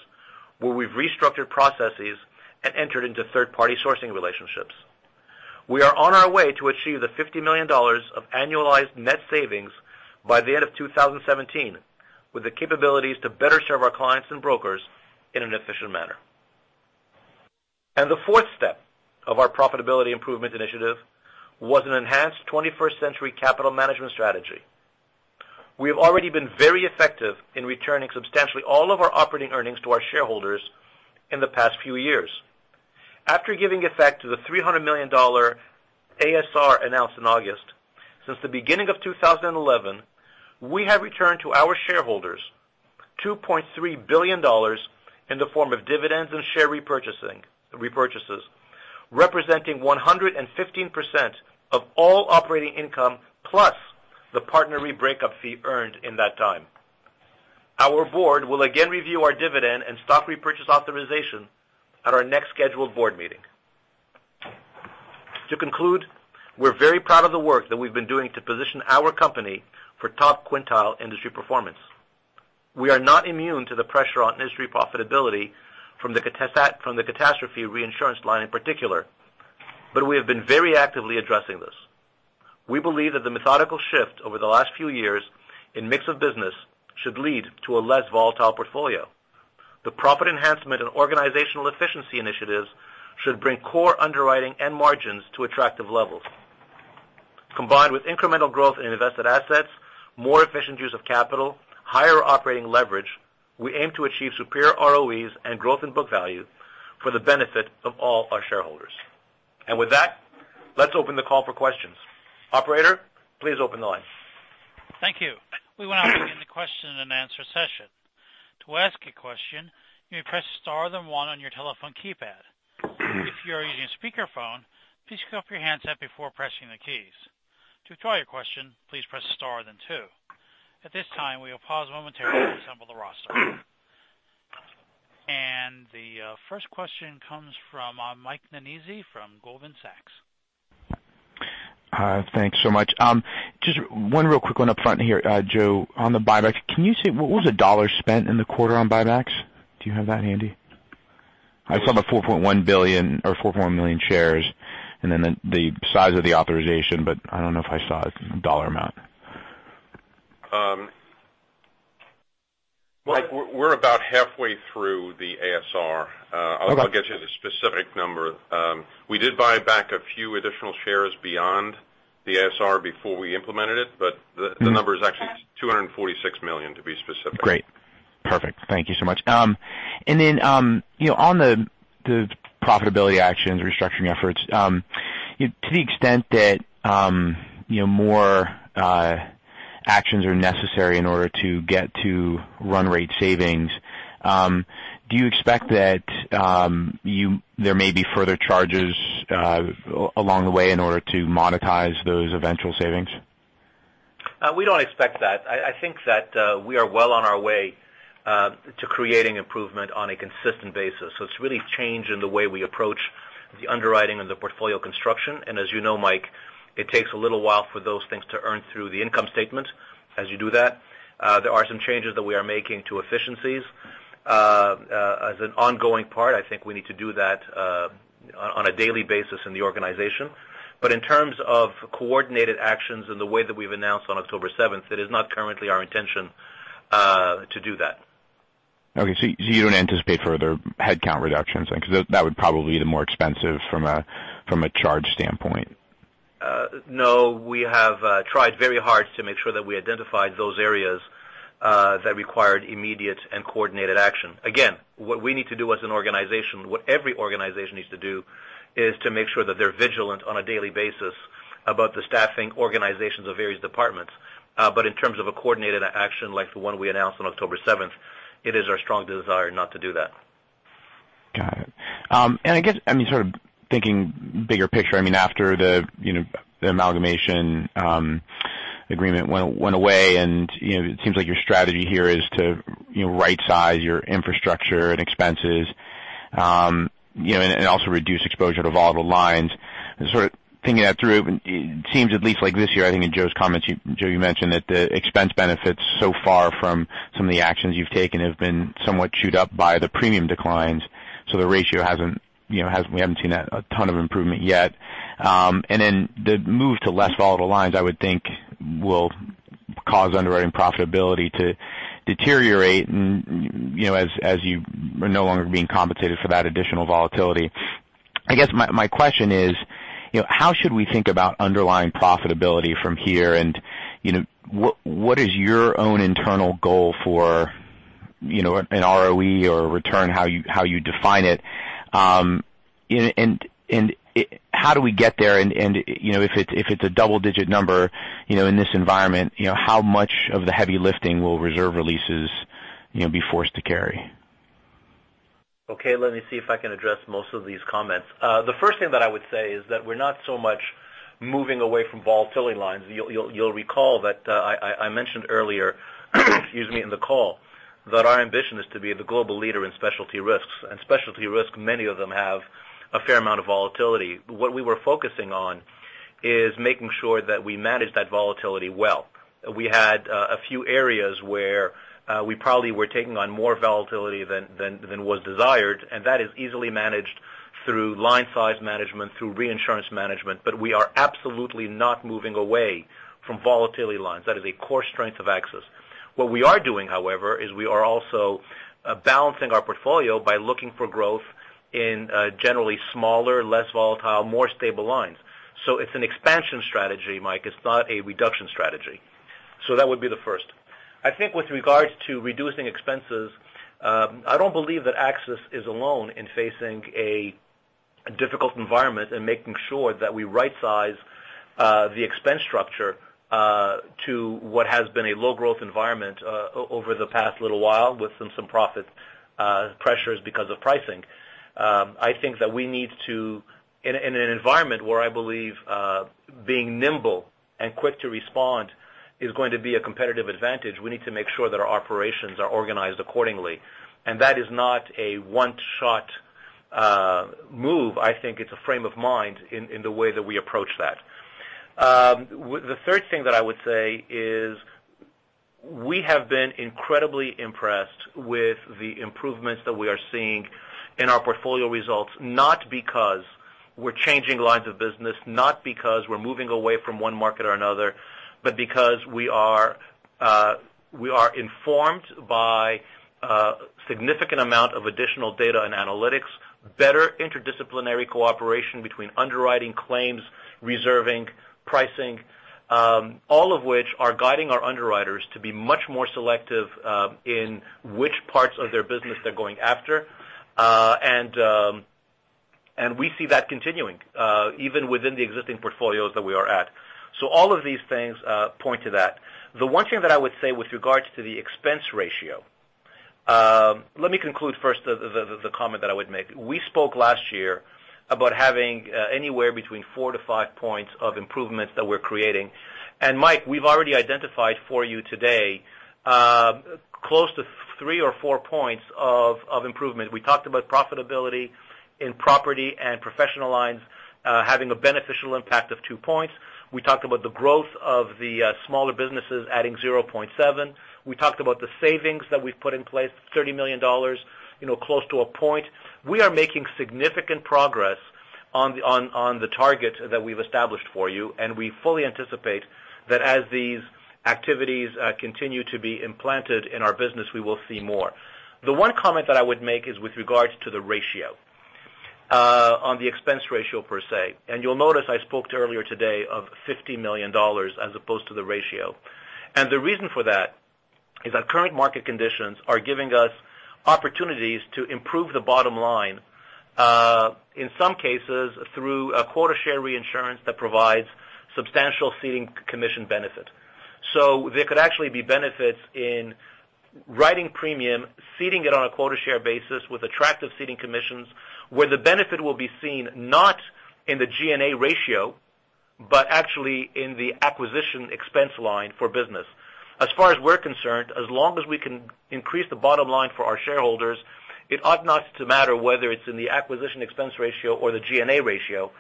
Speaker 3: where we've restructured processes and entered into third-party sourcing relationships. We are on our way to achieve the $50 million of annualized net savings by the end of 2017, with the capabilities to better serve our clients and brokers in an efficient manner. The fourth step of our profitability improvement initiative was an enhanced 21st-century capital management strategy. We have already been very effective in returning substantially all of our operating earnings to our shareholders in the past few years. After giving effect to the $300 million ASR announced in August, since the beginning of 2011, we have returned to our shareholders $2.3 billion in the form of dividends and share repurchases, representing 115% of all operating income plus the PartnerRe breakup fee earned in that time. Our board will again review our dividend and stock repurchase authorization at our next scheduled board meeting. To conclude, we're very proud of the work that we've been doing to position our company for top quintile industry performance. We are not immune to the pressure on industry profitability from the catastrophe reinsurance line in particular, but we have been very actively addressing this. We believe that the methodical shift over the last few years in mix of business should lead to a less volatile portfolio. The profit enhancement and organizational efficiency initiatives should bring core underwriting and margins to attractive levels. Combined with incremental growth in invested assets, more efficient use of capital, higher operating leverage, we aim to achieve superior ROEs and growth in book value for the benefit of all our shareholders. With that, let's open the call for questions. Operator, please open the line.
Speaker 1: Thank you. We will now begin the question and answer session. To ask a question, you may press star, then one on your telephone keypad. If you are using a speakerphone, please pick up your handset before pressing the keys. To withdraw your question, please press star, then two. At this time, we will pause momentarily to assemble the roster. The first question comes from Michael Nannizzi from Goldman Sachs.
Speaker 5: Hi. Thanks so much. Just one real quick one up front here, Joe, on the buyback. What was the $ spent in the quarter on buybacks? Do you have that handy? I saw the 4.1 million shares and then the size of the authorization, but I don't know if I saw a $ amount.
Speaker 4: Mike, we're about halfway through the ASR.
Speaker 5: Okay.
Speaker 4: I'll get you the specific number. We did buy back a few additional shares beyond the ASR before we implemented it, but the number is actually $246 million, to be specific.
Speaker 5: Great. Perfect. Thank you so much. Then on the profitability actions, restructuring efforts, to the extent that more actions are necessary in order to get to run rate savings, do you expect that there may be further charges along the way in order to monetize those eventual savings?
Speaker 3: We don't expect that. I think that we are well on our way to creating improvement on a consistent basis. It's really changing the way we approach the underwriting and the portfolio construction. As you know, Mike, it takes a little while for those things to earn through the income statement as you do that. There are some changes that we are making to efficiencies. As an ongoing part, I think we need to do that on a daily basis in the organization. In terms of coordinated actions in the way that we've announced on October 7th, it is not currently our intention to do that.
Speaker 5: Okay. You don't anticipate further headcount reductions, because that would probably be more expensive from a charge standpoint.
Speaker 3: No. We have tried very hard to make sure that we identified those areas that required immediate and coordinated action. Again, what we need to do as an organization, what every organization needs to do, is to make sure that they're vigilant on a daily basis about the staffing organizations of various departments. In terms of a coordinated action like the one we announced on October 7th, it is our strong desire not to do that.
Speaker 5: Got it. I guess, thinking bigger picture, after the amalgamation agreement went away, it seems like your strategy here is to right-size your infrastructure and expenses, also reduce exposure to volatile lines. Sort of thinking that through, it seems at least like this year, I think in Joe's comments, Joe, you mentioned that the expense benefits so far from some of the actions you've taken have been somewhat chewed up by the premium declines. The ratio, we haven't seen a ton of improvement yet. Then the move to less volatile lines, I would think, will cause underwriting profitability to deteriorate, as you are no longer being compensated for that additional volatility. I guess my question is how should we think about underlying profitability from here? What is your own internal goal for an ROE or return, how you define it? How do we get there? If it's a double-digit number in this environment, how much of the heavy lifting will reserve releases be forced to carry?
Speaker 3: Okay, let me see if I can address most of these comments. The first thing that I would say is that we're not so much moving away from volatility lines. You'll recall that I mentioned earlier in the call that our ambition is to be the global leader in specialty risks, specialty risks, many of them have a fair amount of volatility. What we were focusing on is making sure that we manage that volatility well. We had a few areas where we probably were taking on more volatility than was desired, that is easily managed through line size management, through reinsurance management. We are absolutely not moving away from volatility lines. That is a core strength of AXIS. What we are doing, however, is we are also balancing our portfolio by looking for growth in generally smaller, less volatile, more stable lines. It's an expansion strategy, Mike. It's not a reduction strategy. That would be the first. I think with regards to reducing expenses, I don't believe that AXIS is alone in facing a difficult environment and making sure that we right-size the expense structure, to what has been a low growth environment over the past little while, with some profit pressures because of pricing. I think that we need to, in an environment where I believe being nimble and quick to respond is going to be a competitive advantage, we need to make sure that our operations are organized accordingly. That is not a one-shot move. I think it's a frame of mind in the way that we approach that. The third thing that I would say is we have been incredibly impressed with the improvements that we are seeing in our portfolio results, not because we're changing lines of business, not because we're moving away from one market or another, but because we are informed by a significant amount of additional data and analytics, better interdisciplinary cooperation between underwriting claims, reserving, pricing, all of which are guiding our underwriters to be much more selective in which parts of their business they're going after. We see that continuing, even within the existing portfolios that we are at. All of these things point to that. The one thing that I would say with regards to the expense ratio, let me conclude first the comment that I would make. We spoke last year about having anywhere between four to five points of improvements that we're creating. Mike, we've already identified for you today close to three or four points of improvement. We talked about profitability in property and Professional Lines having a beneficial impact of two points. We talked about the growth of the smaller businesses adding 0.7. We talked about the savings that we've put in place, $30 million, close to one point. We are making significant progress on the target that we've established for you, and we fully anticipate that as these activities continue to be implanted in our business, we will see more. The one comment that I would make is with regards to the ratio, on the expense ratio per se. You'll notice I spoke to earlier today of $50 million as opposed to the ratio. The reason for that is that current market conditions are giving us opportunities to improve the bottom line, in some cases, through a quota share reinsurance that provides substantial ceding commission benefit. There could actually be benefits in writing premium, ceding it on a quota share basis with attractive ceding commissions, where the benefit will be seen not in the G&A ratio, but actually in the acquisition expense line for business. As far as we're concerned, as long as we can increase the bottom line for our shareholders, it ought not to matter whether it's in the acquisition expense ratio or the G&A ratio,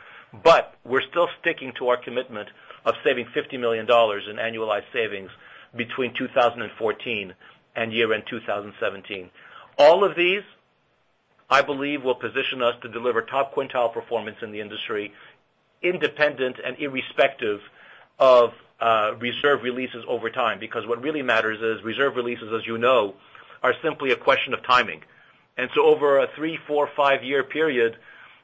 Speaker 3: but we're still sticking to our commitment of saving $50 million in annualized savings between 2014 and year-end 2017. All of these, I believe, will position us to deliver top quintile performance in the industry, independent and irrespective of reserve releases over time, because what really matters is reserve releases, as you know, are simply a question of timing. Over a three, four, five-year period,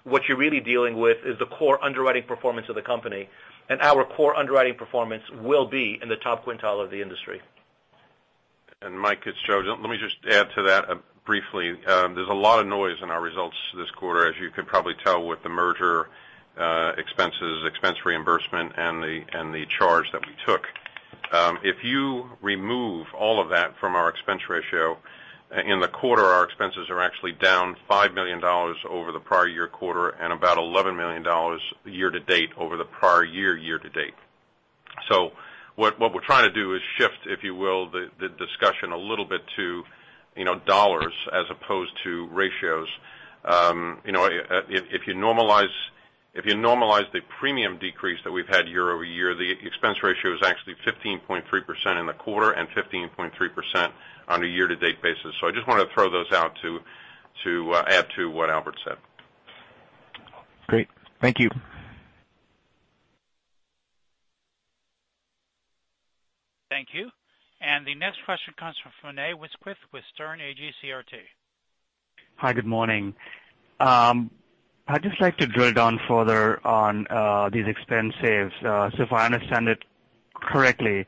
Speaker 3: what you're really dealing with is the core underwriting performance of the company, and our core underwriting performance will be in the top quintile of the industry.
Speaker 4: Mike, it's Joe. Let me just add to that briefly. There's a lot of noise in our results this quarter, as you could probably tell, with the merger expenses, expense reimbursement, and the charge that we took. If you remove all of that from our expense ratio in the quarter, our expenses are actually down $5 million over the prior year quarter and about $11 million year to date over the prior year to date. What we're trying to do is shift, if you will, the discussion a little bit to dollars as opposed to ratios. If you normalize the premium decrease that we've had year-over-year, the expense ratio is actually 15.3% in the quarter and 15.3% on a year to date basis. I just wanted to throw those out to add to what Albert said.
Speaker 5: Great. Thank you.
Speaker 1: Thank you. The next question comes from Vinay Misquith with Sterne Agee CRT.
Speaker 6: Hi, good morning. I'd just like to drill down further on these expense saves. If I understand it correctly,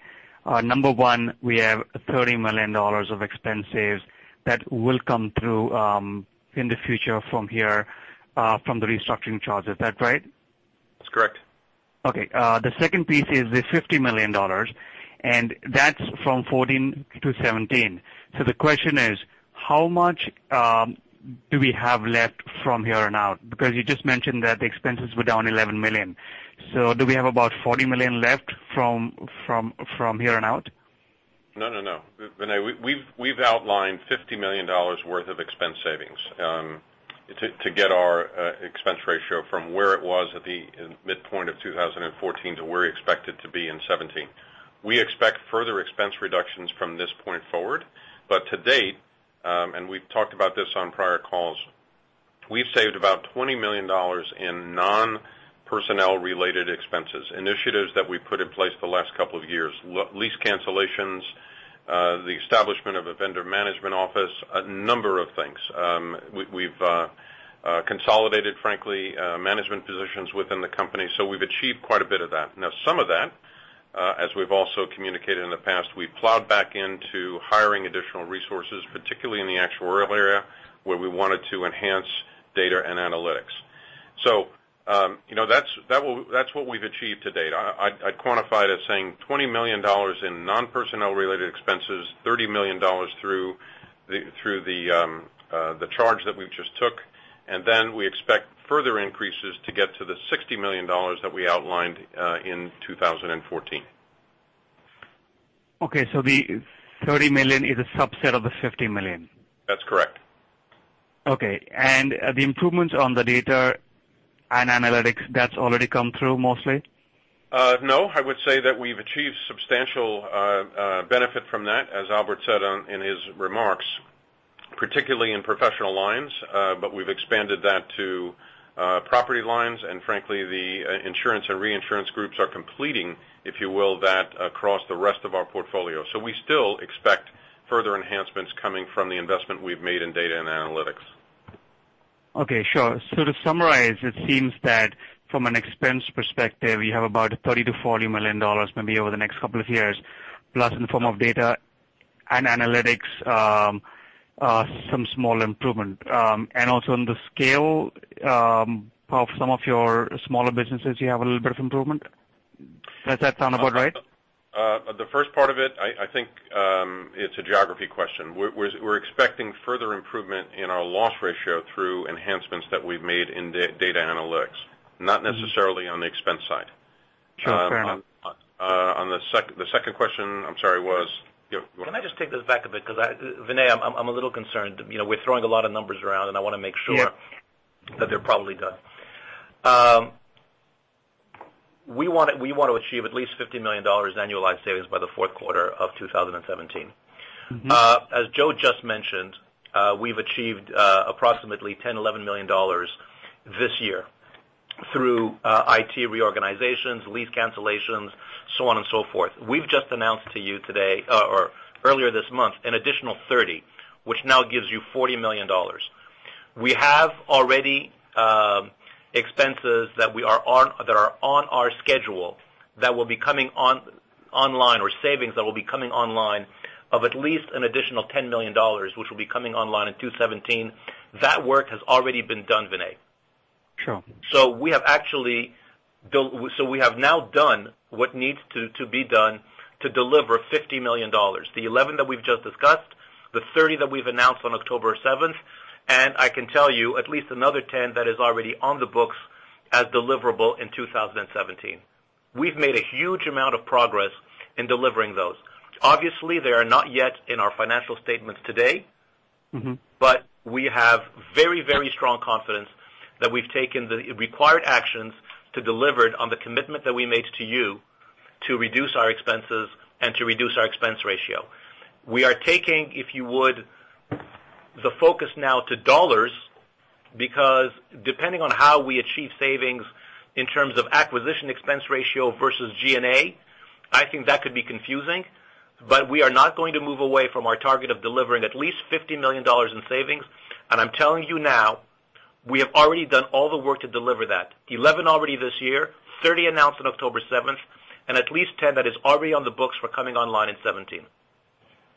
Speaker 6: number one, we have $30 million of expense saves that will come through in the future from here from the restructuring charge. Is that right?
Speaker 4: That's correct.
Speaker 6: Okay. The second piece is the $50 million, that's from 2014 to 2017. The question is, how much do we have left from here and out? Because you just mentioned that the expenses were down $11 million. Do we have about $40 million left from here on out?
Speaker 4: No, no. Vinay, we've outlined $50 million worth of expense savings to get our expense ratio from where it was at the midpoint of 2014 to where we expect it to be in 2017. We expect further expense reductions from this point forward. To date, and we've talked about this on prior calls, we've saved about $20 million in non-personnel related expenses, initiatives that we put in place the last couple of years. Lease cancellations, the establishment of a vendor management office, a number of things. We've consolidated, frankly, management positions within the company. We've achieved quite a bit of that. Some of that, as we've also communicated in the past, we've plowed back into hiring additional resources, particularly in the actuarial area, where we wanted to enhance data and analytics. That's what we've achieved to date. I'd quantify it as saying $20 million in non-personnel related expenses, $30 million through the charge that we've just took, and then we expect further increases to get to the $50 million that we outlined in 2014.
Speaker 6: Okay, the $30 million is a subset of the $50 million?
Speaker 4: That's correct.
Speaker 6: Okay. The improvements on the data and analytics, that's already come through mostly?
Speaker 4: No, I would say that we've achieved substantial benefit from that, as Albert said in his remarks, particularly in Professional Lines. We've expanded that to property lines. Frankly, the insurance and reinsurance groups are completing, if you will, that across the rest of our portfolio. We still expect further enhancements coming from the investment we've made in data and analytics.
Speaker 6: Okay, sure. To summarize, it seems that from an expense perspective, you have about $30 million to $40 million maybe over the next couple of years, plus in form of data and analytics, some small improvement. Also on the scale of some of your smaller businesses, you have a little bit of improvement. Does that sound about right?
Speaker 4: The first part of it, I think, it's a geography question. We're expecting further improvement in our loss ratio through enhancements that we've made in data analytics, not necessarily on the expense side.
Speaker 6: Sure. Fair enough.
Speaker 4: On the second question, I'm sorry.
Speaker 3: Can I just take this back a bit because, Vinay, I'm a little concerned. We're throwing a lot of numbers around, and I want to make sure.
Speaker 6: Yeah
Speaker 3: that they're probably done. We want to achieve at least $50 million annualized savings by the fourth quarter of 2017. As Joe just mentioned, we've achieved approximately $10, $11 million this year through IT reorganizations, lease cancellations, so on and so forth. We've just announced to you today, or earlier this month, an additional $30 million, which now gives you $40 million. We have already expenses that are on our schedule that will be coming online or savings that will be coming online of at least an additional $10 million, which will be coming online in 2017. That work has already been done, Vinay.
Speaker 6: Sure.
Speaker 3: We have now done what needs to be done to deliver $50 million. The 11 that we've just discussed, the 30 that we've announced on October 7th, and I can tell you at least another 10 that is already on the books as deliverable in 2017. We've made a huge amount of progress in delivering those. Obviously, they are not yet in our financial statements today. We have very strong confidence that we've taken the required actions to deliver on the commitment that we made to you to reduce our expenses and to reduce our expense ratio. We are taking, if you would, the focus now to dollars, because depending on how we achieve savings in terms of acquisition expense ratio versus G&A, I think that could be confusing. We are not going to move away from our target of delivering at least $50 million in savings, and I'm telling you now, we have already done all the work to deliver that. 11 already this year, 30 announced on October 7th, and at least 10 that is already on the books for coming online in 2017.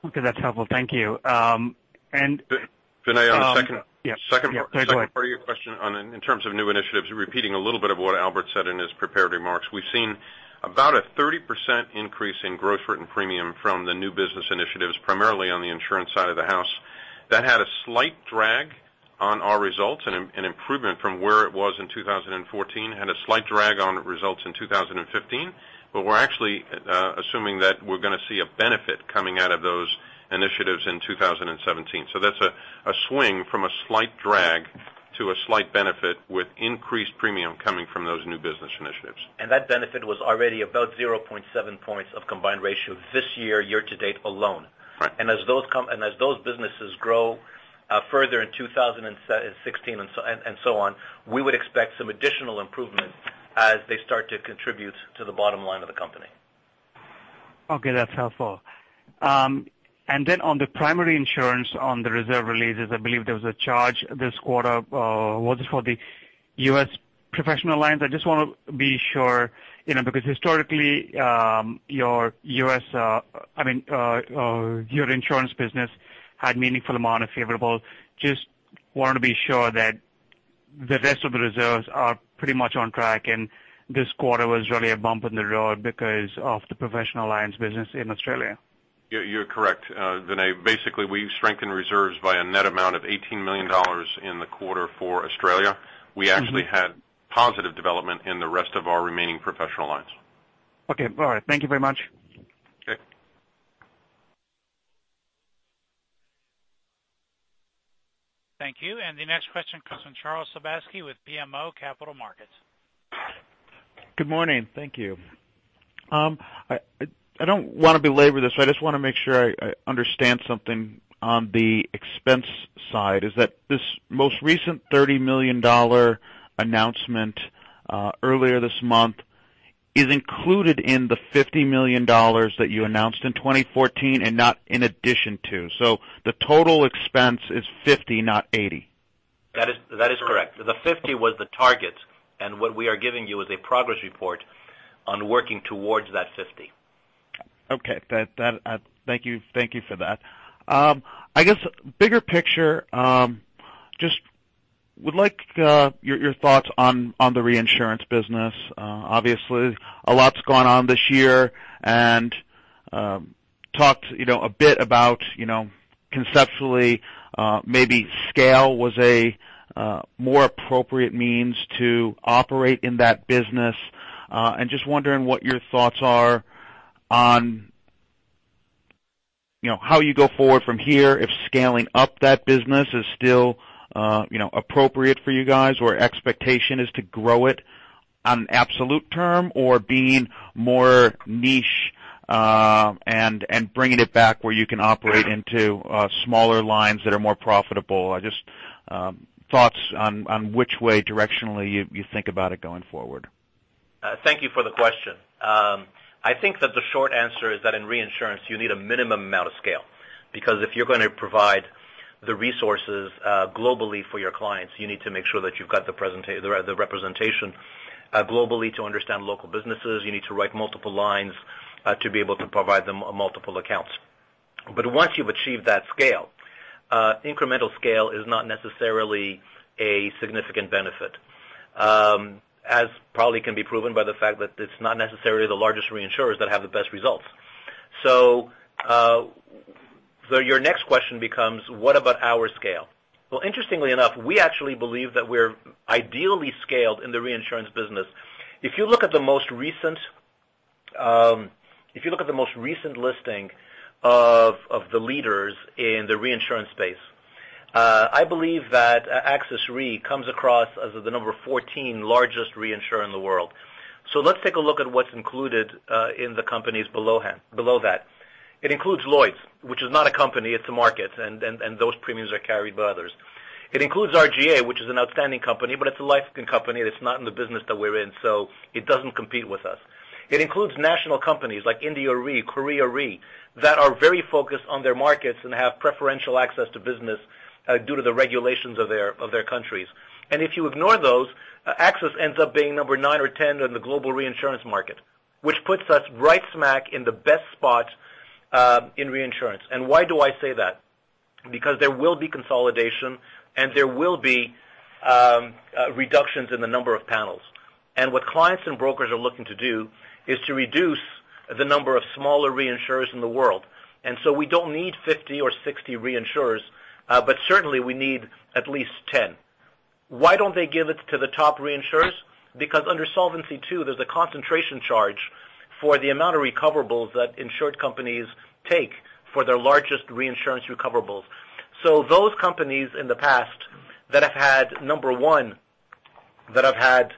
Speaker 6: Okay, that's helpful. Thank you.
Speaker 4: Vinay.
Speaker 6: Yeah. No, go ahead
Speaker 4: second part of your question in terms of new initiatives, repeating a little bit of what Albert said in his prepared remarks. We've seen about a 30% increase in gross written premium from the new business initiatives, primarily on the insurance side of the house. That had a slight drag on our results, an improvement from where it was in 2014. Had a slight drag on results in 2015. We're actually assuming that we're going to see a benefit coming out of those initiatives in 2017. That's a swing from a slight drag to a slight benefit with increased premium coming from those new business initiatives.
Speaker 3: That benefit was already about 0.7 points of combined ratio this year-to-date alone.
Speaker 4: Right.
Speaker 3: As those businesses grow further in 2016 and so on, we would expect some additional improvement as they start to contribute to the bottom line of the company.
Speaker 6: Okay, that's helpful. Then on the primary insurance on the reserve releases, I believe there was a charge this quarter. Was it for the U.S. Professional Lines? I just want to be sure because historically, your insurance business had meaningful amount of favorable. Just want to be sure that the rest of the reserves are pretty much on track and this quarter was really a bump in the road because of the Professional Lines business in Australia.
Speaker 4: You're correct, Vinay. Basically, we strengthened reserves by a net amount of $18 million in the quarter for Australia. We actually had positive development in the rest of our remaining Professional Lines.
Speaker 6: Okay. All right. Thank you very much.
Speaker 4: Okay.
Speaker 1: Thank you. The next question comes from Charles Sebaski with BMO Capital Markets.
Speaker 7: Good morning. Thank you. I don't want to belabor this. I just want to make sure I understand something on the expense side, is that this most recent $30 million announcement earlier this month is included in the $50 million that you announced in 2014 and not in addition to. The total expense is $50, not $80.
Speaker 3: That is correct. The $50 was the target, and what we are giving you is a progress report on working towards that $50.
Speaker 7: Okay. Thank you for that. I guess bigger picture, just would like your thoughts on the reinsurance business. Obviously, a lot's gone on this year and talked a bit about conceptually, maybe scale was a more appropriate means to operate in that business. I'm just wondering what your thoughts are on how you go forward from here if scaling up that business is still appropriate for you guys or expectation is to grow it on an absolute term or being more niche, and bringing it back where you can operate into smaller lines that are more profitable. Just thoughts on which way directionally you think about it going forward.
Speaker 3: Thank you for the question. I think that the short answer is that in reinsurance, you need a minimum amount of scale because if you're going to provide the resources globally for your clients, you need to make sure that you've got the representation globally to understand local businesses. You need to write multiple lines to be able to provide them multiple accounts. Once you've achieved that scale, incremental scale is not necessarily a significant benefit, as probably can be proven by the fact that it's not necessarily the largest reinsurers that have the best results. Your next question becomes, what about our scale? Interestingly enough, we actually believe that we're ideally scaled in the reinsurance business. If you look at the most recent listing of the leaders in the reinsurance space, I believe that AXIS Re comes across as the number 14 largest reinsurer in the world. Let's take a look at what's included in the companies below that. It includes Lloyd's, which is not a company, it's a market, and those premiums are carried by others. It includes RGA, which is an outstanding company, but it's a life insurance company that's not in the business that we're in, so it doesn't compete with us. It includes national companies like India Re, Korea Re, that are very focused on their markets and have preferential access to business due to the regulations of their countries. If you ignore those, AXIS ends up being number nine or 10 in the global reinsurance market, which puts us right smack in the best spot in reinsurance. Why do I say that? Because there will be consolidation and there will be reductions in the number of panels. What clients and brokers are looking to do is to reduce the number of smaller reinsurers in the world. We don't need 50 or 60 reinsurers, but certainly we need at least 10. Why don't they give it to the top reinsurers? Because under Solvency II, there's a concentration charge for the amount of recoverables that insured companies take for their largest reinsurance recoverables. Those companies in the past that have had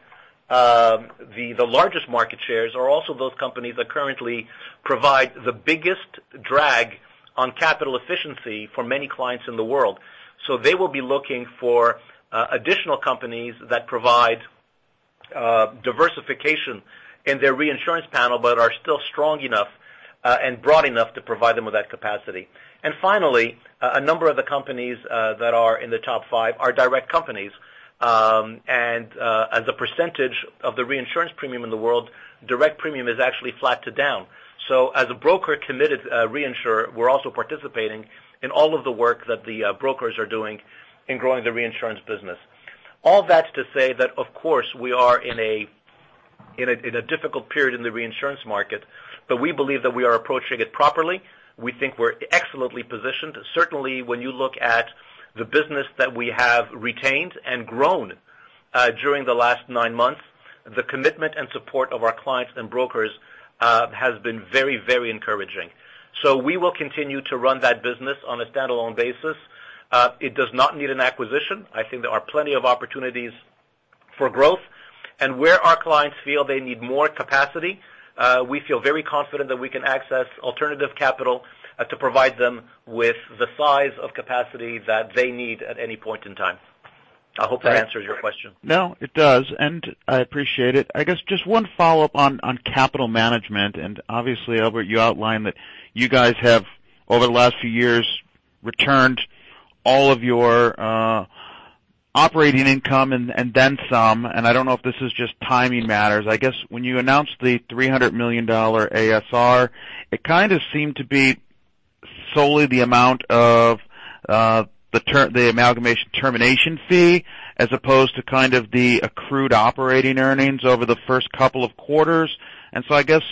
Speaker 3: the largest market shares are also those companies that currently provide the biggest drag on capital efficiency for many clients in the world. They will be looking for additional companies that provide diversification in their reinsurance panel, but are still strong enough and broad enough to provide them with that capacity. Finally, a number of the companies that are in the top five are direct companies. As a percentage of the reinsurance premium in the world, direct premium is actually flat to down. As a broker-committed reinsurer, we're also participating in all of the work that the brokers are doing in growing the reinsurance business. All that's to say that, of course, we are in a difficult period in the reinsurance market, but we believe that we are approaching it properly. We think we're excellently positioned. Certainly, when you look at the business that we have retained and grown during the last nine months, the commitment and support of our clients and brokers has been very encouraging. We will continue to run that business on a standalone basis. It does not need an acquisition. I think there are plenty of opportunities for growth. Where our clients feel they need more capacity, we feel very confident that we can access alternative capital to provide them with the size of capacity that they need at any point in time. I hope that answers your question.
Speaker 7: No, it does, and I appreciate it. I guess just one follow-up on capital management, obviously, Albert, you outlined that you guys have, over the last few years, returned all of your operating income and then some, I don't know if this is just timing matters. I guess when you announced the $300 million ASR, it kind of seemed to be solely the amount of the amalgamation termination fee as opposed to kind of the accrued operating earnings over the first couple of quarters. I guess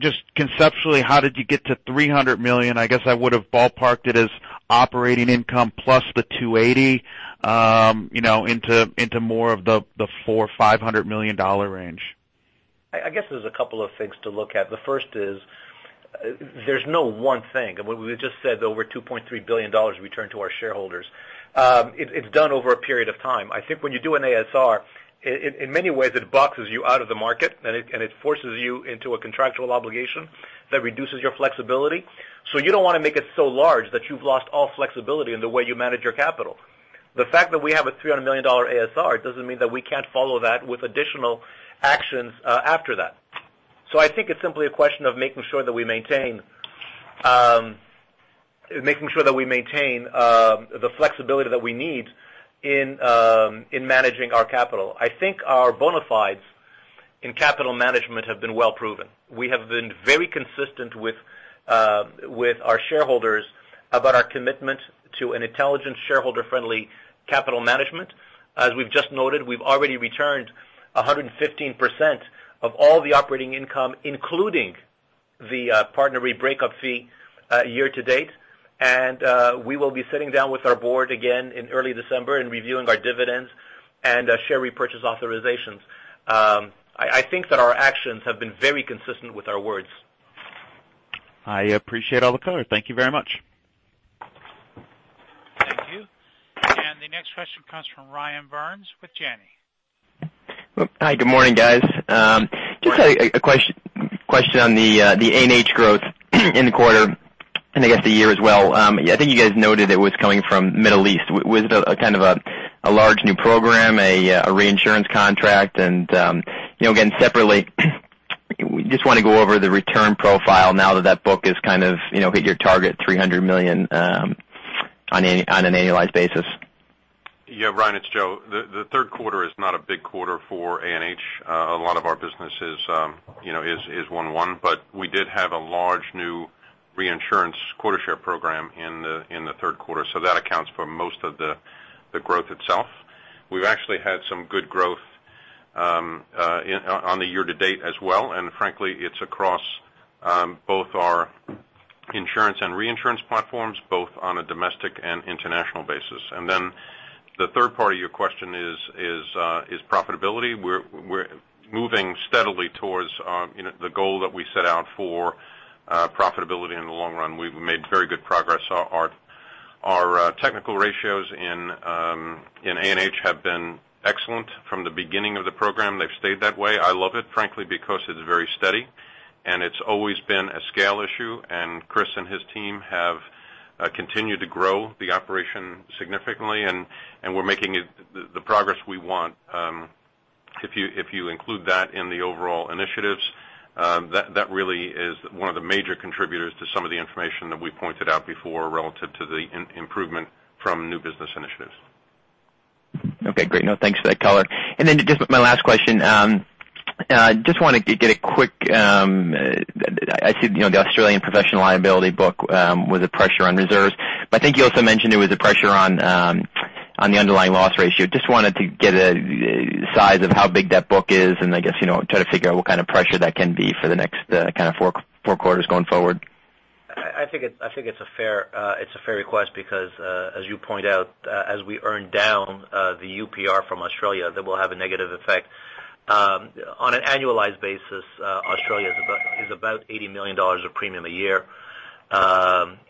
Speaker 7: just conceptually, how did you get to $300 million? I guess I would have ballparked it as operating income plus the $280 into more of the $400 million-$500 million range.
Speaker 3: I guess there's a couple of things to look at. The first is there's no one thing. We just said over $2.3 billion returned to our shareholders. It's done over a period of time. I think when you do an ASR, in many ways, it boxes you out of the market, it forces you into a contractual obligation that reduces your flexibility. You don't want to make it so large that you've lost all flexibility in the way you manage your capital. The fact that we have a $300 million ASR doesn't mean that we can't follow that with additional actions after that. I think it's simply a question of making sure that we maintain the flexibility that we need in managing our capital. I think our bona fides in capital management have been well proven. We have been very consistent with our shareholders about our commitment to an intelligent, shareholder-friendly capital management. As we've just noted, we've already returned 115% of all the operating income, including the PartnerRe breakup fee year to date, we will be sitting down with our board again in early December and reviewing our dividends and share repurchase authorizations. I think that our actions have been very consistent with our words.
Speaker 7: I appreciate all the color. Thank you very much.
Speaker 1: Thank you. The next question comes from Ryan Burns with Janney.
Speaker 8: Hi. Good morning, guys.
Speaker 3: Morning.
Speaker 8: Just a question on the A&H growth in the quarter and I guess the year as well. I think you guys noted it was coming from Middle East. Was it kind of a large new program, a reinsurance contract? Again, separately, just want to go over the return profile now that book has kind of hit your target $300 million on an annualized basis.
Speaker 4: Ryan, it's Joe. The third quarter is not a big quarter for A&H. A lot of our business is one-one, but we did have a large new reinsurance quarter share program in the third quarter. That accounts for most of the growth itself. We've actually had some good growth on the year to date as well. Frankly, it's across both our insurance and reinsurance platforms, both on a domestic and international basis. The third part of your question is profitability. We're moving steadily towards the goal that we set out for profitability in the long run. We've made very good progress. Our technical ratios in A&H have been excellent from the beginning of the program. They've stayed that way. I love it, frankly, because it's very steady, and it's always been a scale issue. Chris and his team have continued to grow the operation significantly, and we're making the progress we want. If you include that in the overall initiatives, that really is one of the major contributors to some of the information that we pointed out before relative to the improvement from new business initiatives.
Speaker 8: Great. Thanks for that color. Just my last question. I see the Australian professional liability book with a pressure on reserves, but I think you also mentioned there was a pressure on the underlying loss ratio. Just wanted to get a size of how big that book is and I guess try to figure out what kind of pressure that can be for the next kind of 4 quarters going forward.
Speaker 3: I think it's a fair request because as you point out, as we earn down the UPR from Australia, that will have a negative effect. On an annualized basis, Australia is about $80 million of premium a year.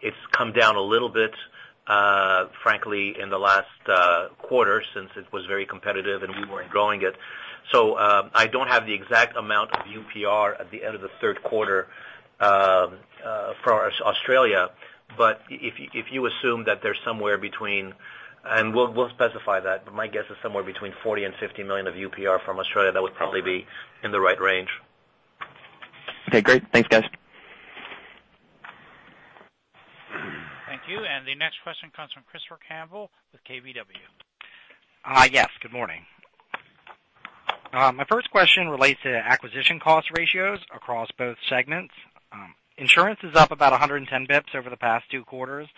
Speaker 3: It's come down a little bit, frankly, in the last quarter since it was very competitive and we weren't growing it. I don't have the exact amount of UPR at the end of the third quarter for Australia, but if you assume that they're somewhere between, and we'll specify that, but my guess is somewhere between $40 million and $50 million of UPR from Australia, that would probably be in the right range.
Speaker 8: Okay, great. Thanks, guys.
Speaker 1: Thank you. The next question comes from Christopher Campbell with KBW.
Speaker 9: Yes, good morning. My first question relates to acquisition cost ratios across both segments. Insurance is up about 110 basis points over the past two quarters,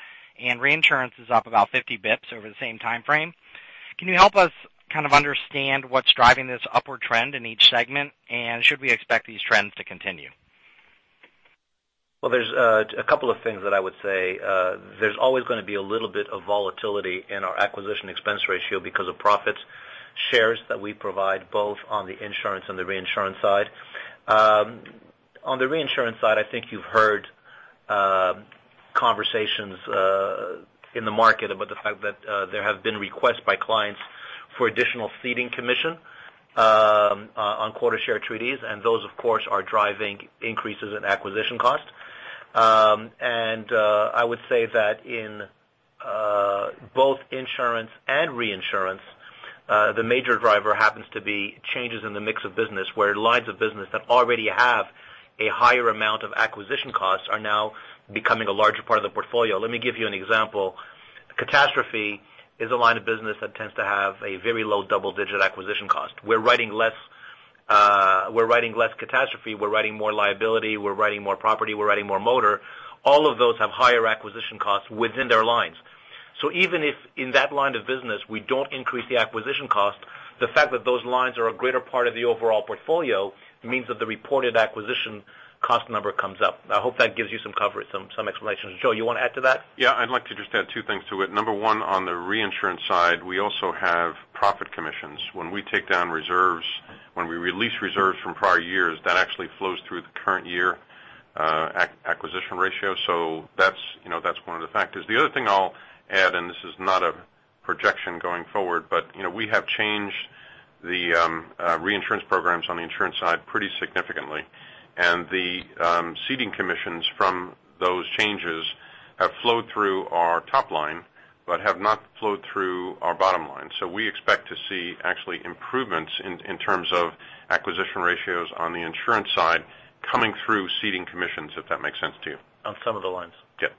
Speaker 9: and reinsurance is up about 50 basis points over the same time frame. Can you help us kind of understand what's driving this upward trend in each segment? Should we expect these trends to continue?
Speaker 3: Well, there's a couple of things that I would say. There's always going to be a little bit of volatility in our acquisition expense ratio because of profit shares that we provide both on the insurance and the reinsurance side. On the reinsurance side, I think you've heard conversations in the market about the fact that there have been requests by clients for additional ceding commission on quota share treaties. Those, of course, are driving increases in acquisition cost. I would say that in both insurance and reinsurance, the major driver happens to be changes in the mix of business, where lines of business that already have a higher amount of acquisition costs are now becoming a larger part of the portfolio. Let me give you an example. Catastrophe is a line of business that tends to have a very low double-digit acquisition cost. We're writing less catastrophe. We're writing more liability. We're writing more property. We're writing more motor. All of those have higher acquisition costs within their lines. Even if in that line of business, we don't increase the acquisition cost, the fact that those lines are a greater part of the overall portfolio means that the reported acquisition cost number comes up. I hope that gives you some coverage, some explanations. Joe, you want to add to that?
Speaker 4: Yeah, I'd like to just add two things to it. Number one, on the reinsurance side, we also have profit commissions. When we take down reserves, when we release reserves from prior years, that actually flows through the current year acquisition ratio. That's one of the factors. The other thing I'll add, this is not a projection going forward, but we have changed the reinsurance programs on the insurance side pretty significantly, and the ceding commissions from those changes have flowed through our top line but have not flowed through our bottom line. We expect to see actually improvements in terms of acquisition ratios on the insurance side coming through ceding commissions, if that makes sense to you.
Speaker 3: On some of the lines.
Speaker 4: Yep.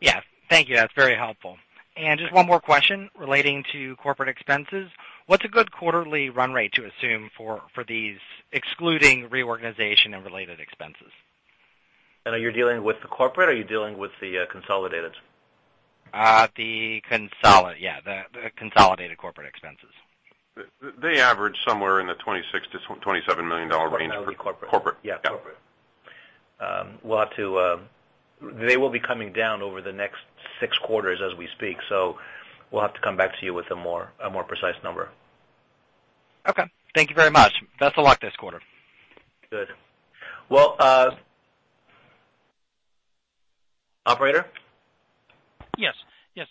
Speaker 9: Yeah. Thank you. That's very helpful. Just one more question relating to corporate expenses. What's a good quarterly run rate to assume for these excluding reorganization and related expenses?
Speaker 3: Are you dealing with the corporate, or are you dealing with the consolidated?
Speaker 9: Yeah, the consolidated corporate expenses.
Speaker 4: They average somewhere in the $26 million-$27 million range.
Speaker 3: Corporate.
Speaker 4: Corporate.
Speaker 3: Yeah, corporate. They will be coming down over the next six quarters as we speak, we'll have to come back to you with a more precise number.
Speaker 9: Okay. Thank you very much. Best of luck this quarter.
Speaker 3: Good. Well, operator?
Speaker 1: Yes.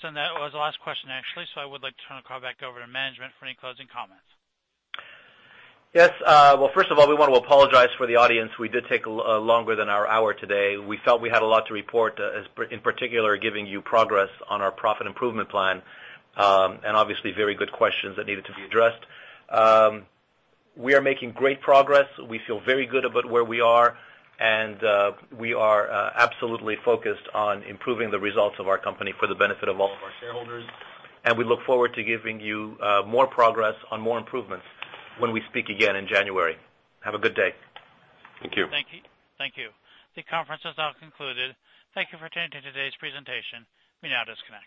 Speaker 1: That was the last question, actually. I would like to turn the call back over to management for any closing comments.
Speaker 3: Yes. Well, first of all, we want to apologize for the audience. We did take longer than our hour today. We felt we had a lot to report, in particular, giving you progress on our profit improvement plan. Obviously, very good questions that needed to be addressed. We are making great progress. We feel very good about where we are, and we are absolutely focused on improving the results of our company for the benefit of all of our shareholders. We look forward to giving you more progress on more improvements when we speak again in January. Have a good day.
Speaker 4: Thank you.
Speaker 1: Thank you. The conference has now concluded. Thank you for attending today's presentation. You may now disconnect.